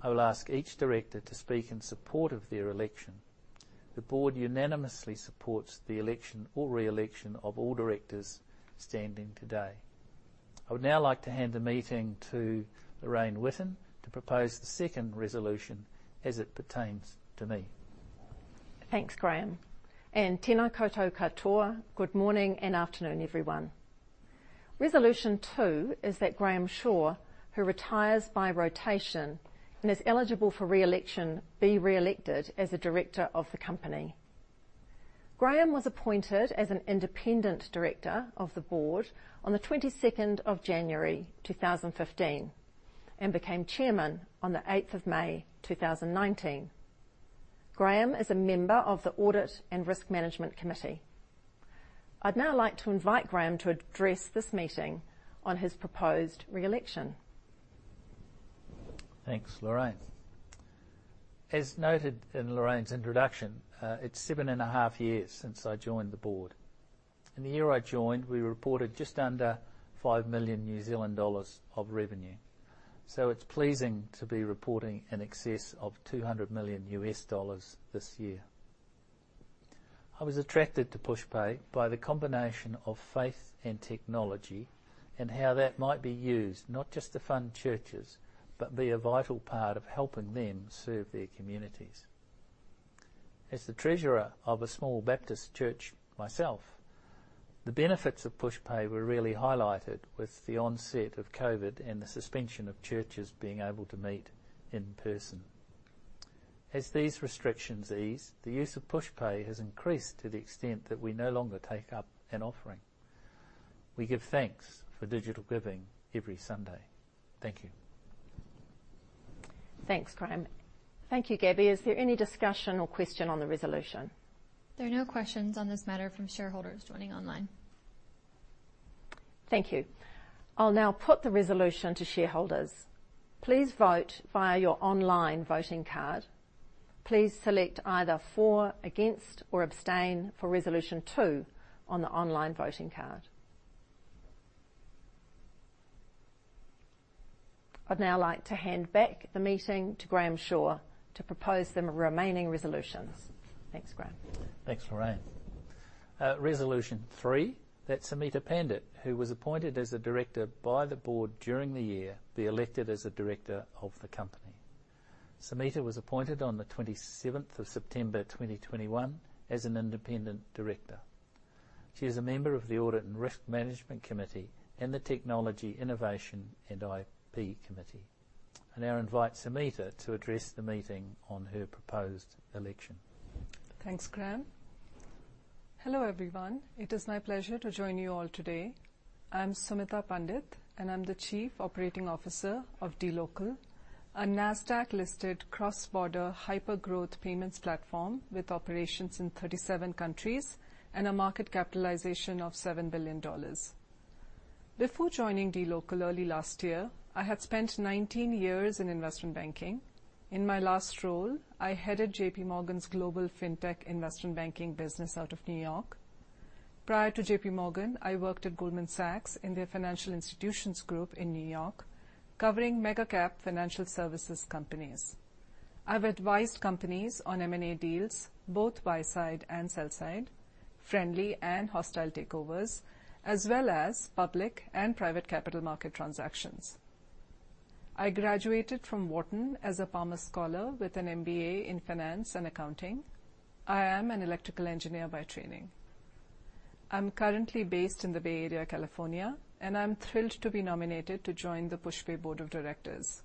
C: I will ask each director to speak in support of their election. The board unanimously supports the election or re-election of all directors standing today. I would now like to hand the meeting to Lorraine Witten to propose the second resolution as it pertains to me.
H: Thanks, Graham, and経過をカット. Good morning and afternoon, everyone. Resolution two is that Graham Shaw, who retires by rotation and is eligible for re-election, be re-elected as a director of the company. Graham was appointed as an independent director of the board on the 22nd of January, 2015, and became chairman on the 8th of May, 2019. Graham is a member of the Audit and Risk Management Committee. I'd now like to invite Graham to address this meeting on his proposed re-election.
C: Thanks, Lorraine. As noted in Lorraine's introduction, it's seven and a half years since I joined the board. In the year I joined, we reported just under 5 million New Zealand dollars of revenue. It's pleasing to be reporting in excess of $200 million this year. I was attracted to Pushpay by the combination of faith and technology and how that might be used, not just to fund churches, but be a vital part of helping them serve their communities. As the treasurer of a small Baptist church myself, the benefits of Pushpay were really highlighted with the onset of COVID and the suspension of churches being able to meet in person. As these restrictions ease, the use of Pushpay has increased to the extent that we no longer take up an offering. We give thanks for digital giving every Sunday. Thank you.
H: Thanks, Graham. Thank you, Gabby. Is there any discussion or question on the resolution?
G: There are no questions on this matter from shareholders joining online.
H: Thank you. I'll now put the resolution to shareholders. Please vote via your online voting card. Please select either for, against, or abstain for resolution two on the online voting card. I'd now like to hand back the meeting to Graham Shaw to propose the remaining resolutions. Thanks, Graham.
C: Thanks, Lorraine. Resolution three, that Sumita Pandit, who was appointed as a director by the board during the year, be elected as a director of the company. Sumita was appointed on the 27th of September, 2021, as an independent director. She is a member of the Audit and Risk Management Committee and the Technology, Innovation and IP Committee. I now invite Sumita to address the meeting on her proposed election.
I: Thanks, Graham. Hello, everyone. It is my pleasure to join you all today. I'm Sumita Pandit, and I'm the Chief Operating Officer of dLocal, a Nasdaq-listed cross-border hyper-growth payments platform with operations in 37 countries and a market capitalization of $7 billion. Before joining dLocal early last year, I had spent 19 years in investment banking. In my last role, I headed J.P. Morgan's global fintech investment banking business out of New York. Prior to J.P. Morgan, I worked at Goldman Sachs in their financial institutions group in New York, covering mega-cap financial services companies. I've advised companies on M&A deals, both buy side and sell side, friendly and hostile takeovers, as well as public and private capital market transactions. I graduated from Wharton as a Palmer Scholar with an MBA in finance and accounting. I am an electrical engineer by training. I'm currently based in the Bay Area, California, and I'm thrilled to be nominated to join the Pushpay Board of Directors.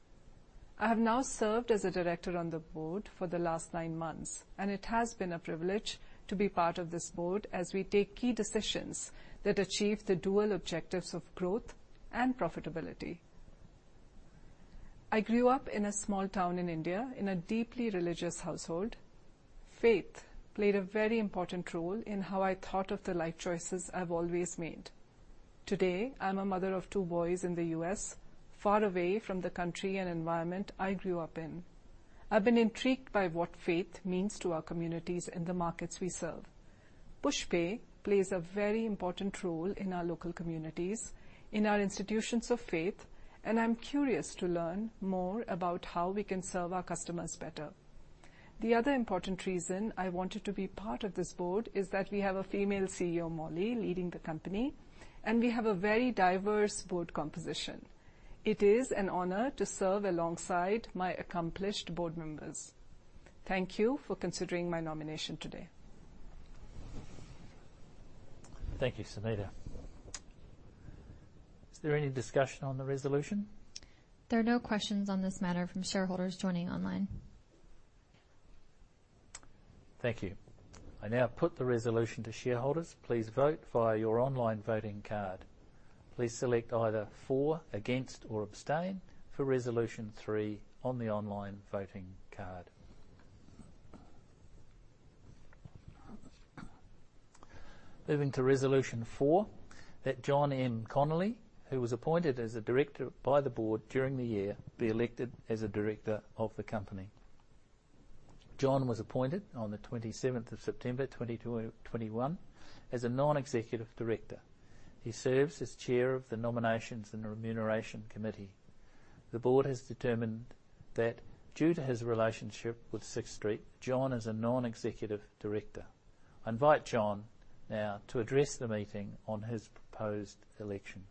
I: I have now served as a Director on the Board for the last nine months, and it has been a privilege to be part of this board as we take key decisions that achieve the dual objectives of growth and profitability. I grew up in a small town in India in a deeply religious household. Faith played a very important role in how I thought of the life choices I've always made. Today, I'm a mother of two boys in the U.S., far away from the country and environment I grew up in. I've been intrigued by what faith means to our communities in the markets we serve. Pushpay plays a very important role in our local communities, in our institutions of faith. I'm curious to learn more about how we can serve our customers better. The other important reason I wanted to be part of this board is that we have a female CEO, Molly, leading the company, and we have a very diverse board composition. It is an honor to serve alongside my accomplished board members. Thank you for considering my nomination today.
C: Thank you, Sumita. Is there any discussion on the resolution?
G: There are no questions on this matter from shareholders joining online.
C: Thank you. I now put the resolution to shareholders. Please vote via your online voting card. Please select either for, against, or abstain for resolution three on the online voting card. Moving to resolution four, that John M. Connolly, who was appointed as a director by the board during the year, be elected as a director of the company. John was appointed on the 27th of September, 2021, as a Non-executive Director. He serves as chair of the Nominations and Remuneration Committee. The board has determined that due to his relationship with Sixth Street, John is a Non-executive Director. I invite John now to address the meeting on his proposed election.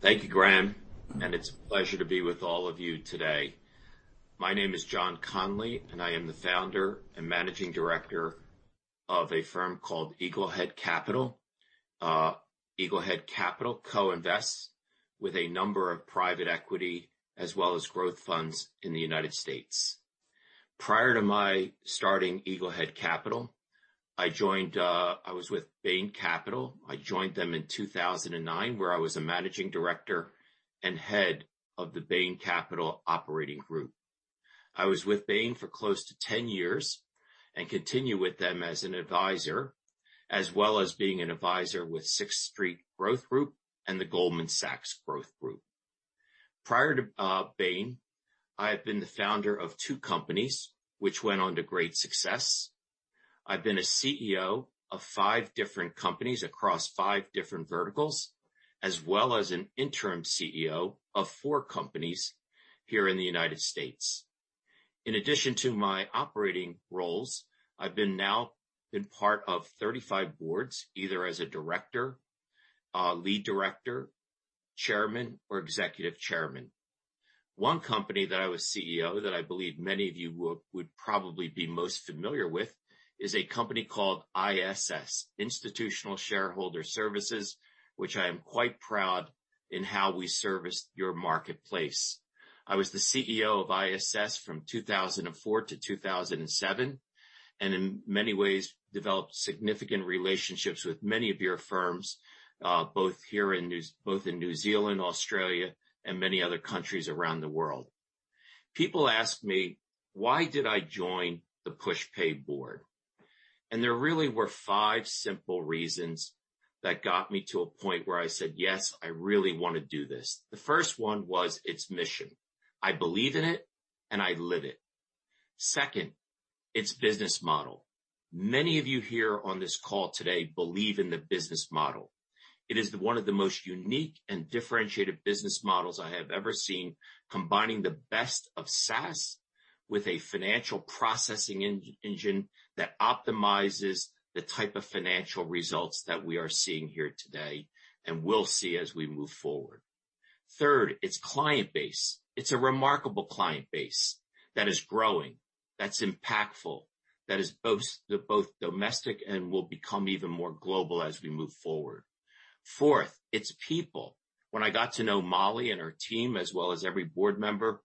J: Thank you, Graham, and it's a pleasure to be with all of you today. My name is John Connolly, and I am the founder and managing director of a firm called Eaglehead Capital. Eaglehead Capital co-invests with a number of private equity as well as growth funds in the United States. Prior to my starting Eaglehead Capital, I was with Bain Capital. I joined them in 2009, where I was a managing director and head of the Bain Capital Operating Group. I was with Bain for close to 10 years and continue with them as an advisor, as well as being an advisor with Sixth Street Growth and the Goldman Sachs Growth Equity. Prior to Bain, I have been the founder of two companies which went on to great success. I've been a CEO of five different companies across five different verticals, as well as an interim CEO of four companies here in the United States. In addition to my operating roles, I've now been part of 35 boards, either as a director, lead director, chairman or executive chairman. One company that I was CEO, that I believe many of you would probably be most familiar with, is a company called ISS, Institutional Shareholder Services, which I am quite proud in how we serviced your marketplace. I was the CEO of ISS from 2004 to 2007, and in many ways developed significant relationships with many of your firms, both in New Zealand, Australia, and many other countries around the world. People ask me, why did I join the Pushpay board? There really were five simple reasons that got me to a point where I said, "Yes, I really wanna do this." The first one was its mission. I believe in it, and I live it. Second, its business model. Many of you here on this call today believe in the business model. It is one of the most unique and differentiated business models I have ever seen, combining the best of SaaS with a financial processing engine that optimizes the type of financial results that we are seeing here today and will see as we move forward. Third, its client base. It's a remarkable client base that is growing, that's impactful, that is both domestic and will become even more global as we move forward. Fourth, its people. When I got to know Molly and her team as well as every board member,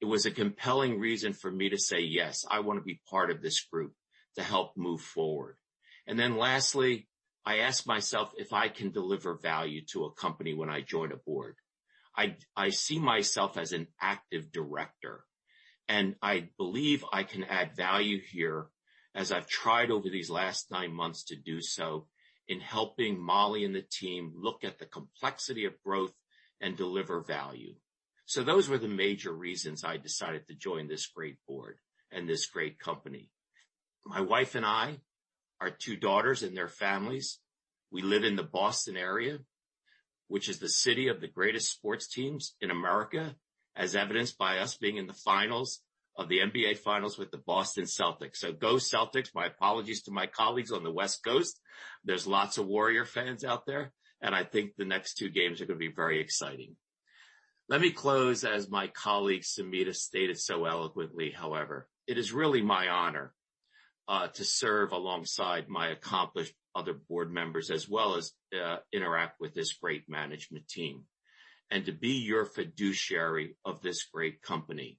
J: it was a compelling reason for me to say, "Yes, I wanna be part of this group to help move forward." Then lastly, I ask myself if I can deliver value to a company when I join a board. I see myself as an active director, and I believe I can add value here as I've tried over these last nine months to do so in helping Molly and the team look at the complexity of growth and deliver value. Those were the major reasons I decided to join this great board and this great company. My wife and I, our two daughters and their families, we live in the Boston area, which is the city of the greatest sports teams in America, as evidenced by us being in the finals of the NBA Finals with the Boston Celtics. Go Celtics. My apologies to my colleagues on the West Coast. There's lots of Warrior fans out there, and I think the next two games are gonna be very exciting. Let me close as my colleague, Sumita, stated so eloquently, however. It is really my honor to serve alongside my accomplished other board members, as well as, interact with this great management team and to be your fiduciary of this great company.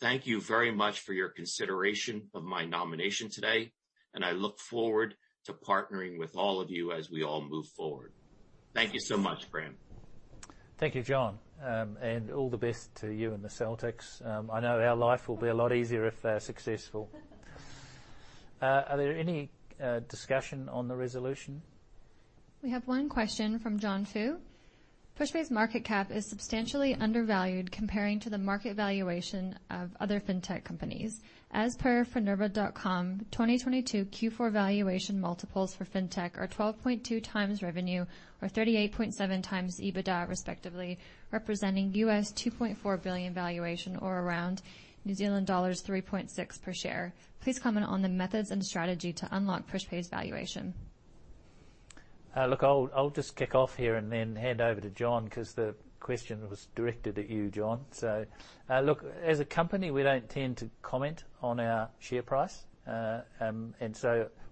J: Thank you very much for your consideration of my nomination today, and I look forward to partnering with all of you as we all move forward. Thank you so much, Graham.
C: Thank you, John. All the best to you and the Boston Celtics. I know our life will be a lot easier if they're successful. Are there any discussion on the resolution?
G: We have one question from John Fu. "Pushpay's market cap is substantially undervalued comparing to the market valuation of other fintech companies. As per Finerva, 2022 Q4 valuation multiples for fintech are 12.2x revenue or 38.7x EBITDA respectively, representing $2.4 billion valuation or around New Zealand dollars 3.6 per share. Please comment on the methods and strategy to unlock Pushpay's valuation.
C: Look, I'll just kick off here and then hand over to John, 'cause the question was directed at you, John. Look, as a company, we don't tend to comment on our share price.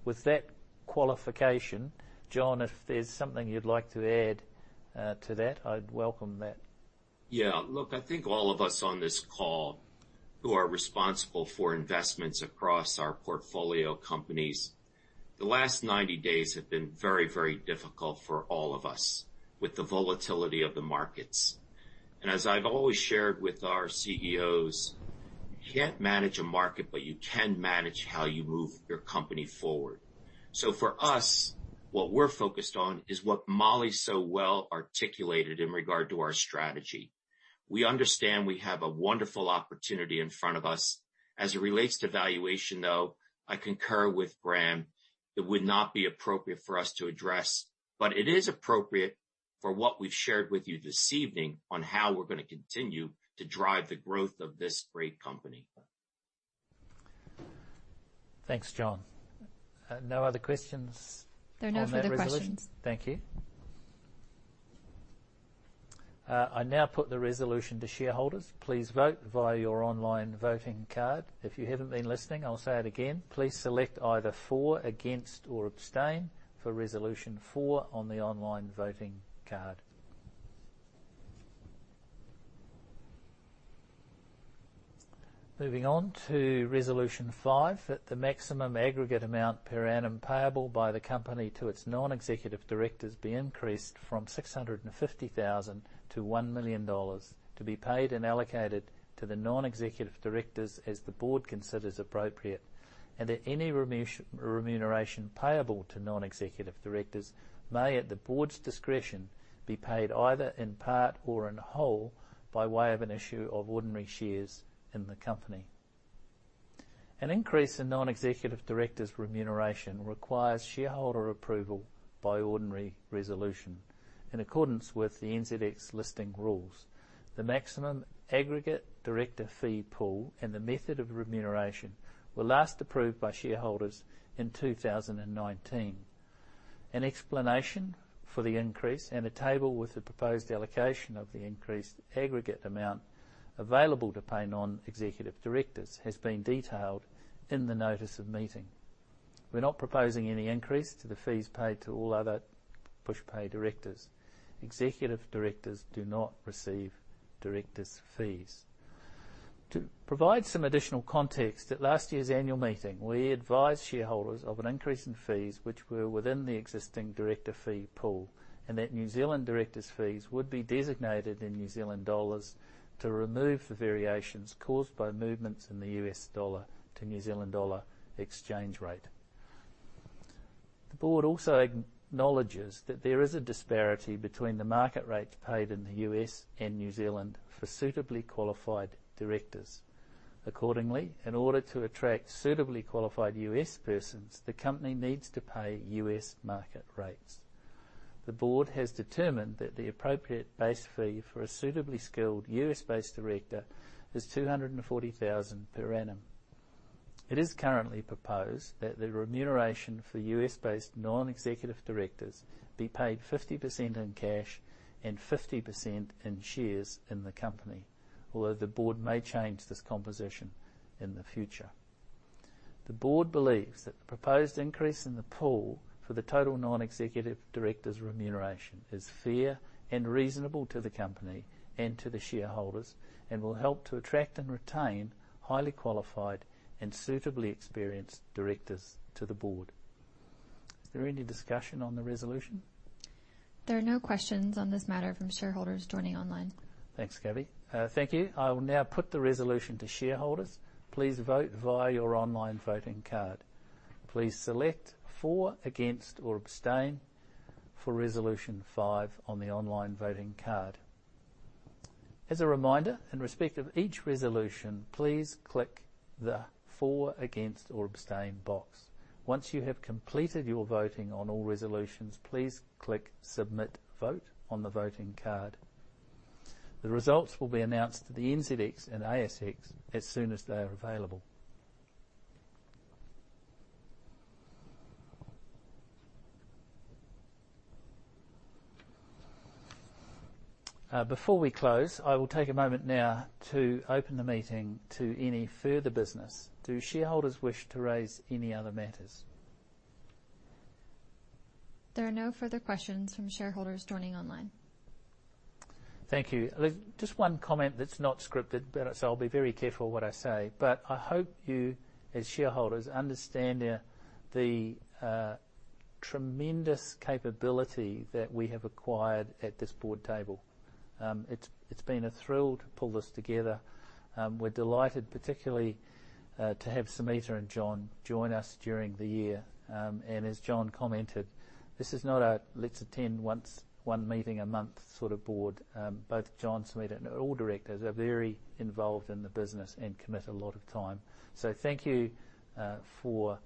C: With that qualification, John, if there's something you'd like to add to that, I'd welcome that.
J: Yeah. Look, I think all of us on this call who are responsible for investments across our portfolio companies, the last 90 days have been very, very difficult for all of us with the volatility of the markets. I've always shared with our CEOs, you can't manage a market, but you can manage how you move your company forward. For us, what we're focused on is what Molly so well articulated in regard to our strategy. We understand we have a wonderful opportunity in front of us. As it relates to valuation, though, I concur with Graham. It would not be appropriate for us to address, but it is appropriate for what we've shared with you this evening on how we're gonna continue to drive the growth of this great company.
C: Thanks, John. No other questions on that resolution?
G: There are no further questions.
C: Thank you. I now put the resolution to shareholders. Please vote via your online voting card. If you haven't been listening, I'll say it again. Please select either for, against, or abstain for Resolution Four on the online voting card. Moving on to Resolution Five, that the maximum aggregate amount per annum payable by the company to its non-executive directors be increased from $650,000 to $1 million, to be paid and allocated to the non-executive directors as the board considers appropriate, and that any remuneration payable to non-executive directors may, at the board's discretion, be paid either in part or in whole by way of an issue of ordinary shares in the company. An increase in non-executive directors' remuneration requires shareholder approval by ordinary resolution in accordance with the NZX Listing Rules. The maximum aggregate director fee pool and the method of remuneration were last approved by shareholders in 2019. An explanation for the increase and a table with the proposed allocation of the increased aggregate amount available to pay non-executive directors has been detailed in the notice of meeting. We're not proposing any increase to the fees paid to all other Pushpay directors. Executive directors do not receive directors' fees. To provide some additional context, at last year's annual meeting, we advised shareholders of an increase in fees which were within the existing director fee pool, and that New Zealand directors' fees would be designated in New Zealand dollars to remove the variations caused by movements in the U.S. dollar to New Zealand dollar exchange rate. The board also acknowledges that there is a disparity between the market rates paid in the U.S. and New Zealand for suitably qualified directors. Accordingly, in order to attract suitably qualified U.S. persons, the company needs to pay U.S. market rates. The board has determined that the appropriate base fee for a suitably skilled U.S.-based director is $240,000 per annum. It is currently proposed that the remuneration for U.S.-based non-executive directors be paid 50% in cash and 50% in shares in the company. Although the board may change this composition in the future. The board believes that the proposed increase in the pool for the total Non-executive Directors' remuneration is fair and reasonable to the company and to the shareholders and will help to attract and retain highly qualified and suitably experienced directors to the board. Is there any discussion on the resolution?
G: There are no questions on this matter from shareholders joining online.
C: Thanks, Gabby. Thank you. I will now put the resolution to shareholders. Please vote via your online voting card. Please select for, against, or abstain for Resolution Five on the online voting card. As a reminder, in respect of each resolution, please click the for, against, or abstain box. Once you have completed your voting on all resolutions, please click Submit Vote on the voting card. The results will be announced to the NZX and ASX as soon as they are available. Before we close, I will take a moment now to open the meeting to any further business. Do shareholders wish to raise any other matters?
G: There are no further questions from shareholders joining online.
C: Thank you. Look, just one comment that's not scripted, so I'll be very careful what I say. I hope you, as shareholders, understand the tremendous capability that we have acquired at this board table. It's been a thrill to pull this together. We're delighted, particularly, to have Sumita and John join us during the year. As John commented, this is not a let's attend one meeting a month sort of board. Both John, Sumita, and all directors are very involved in the business and commit a lot of time. Thank you for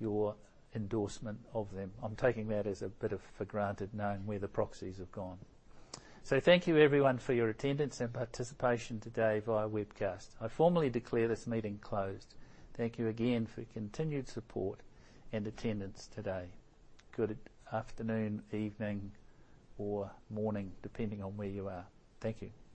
C: your endorsement of them. I'm taking that for granted, knowing where the proxies have gone. Thank you everyone for your attendance and participation today via webcast. I formally declare this meeting closed. Thank you again for your continued support and attendance today. Good afternoon, evening, or morning, depending on where you are. Thank you.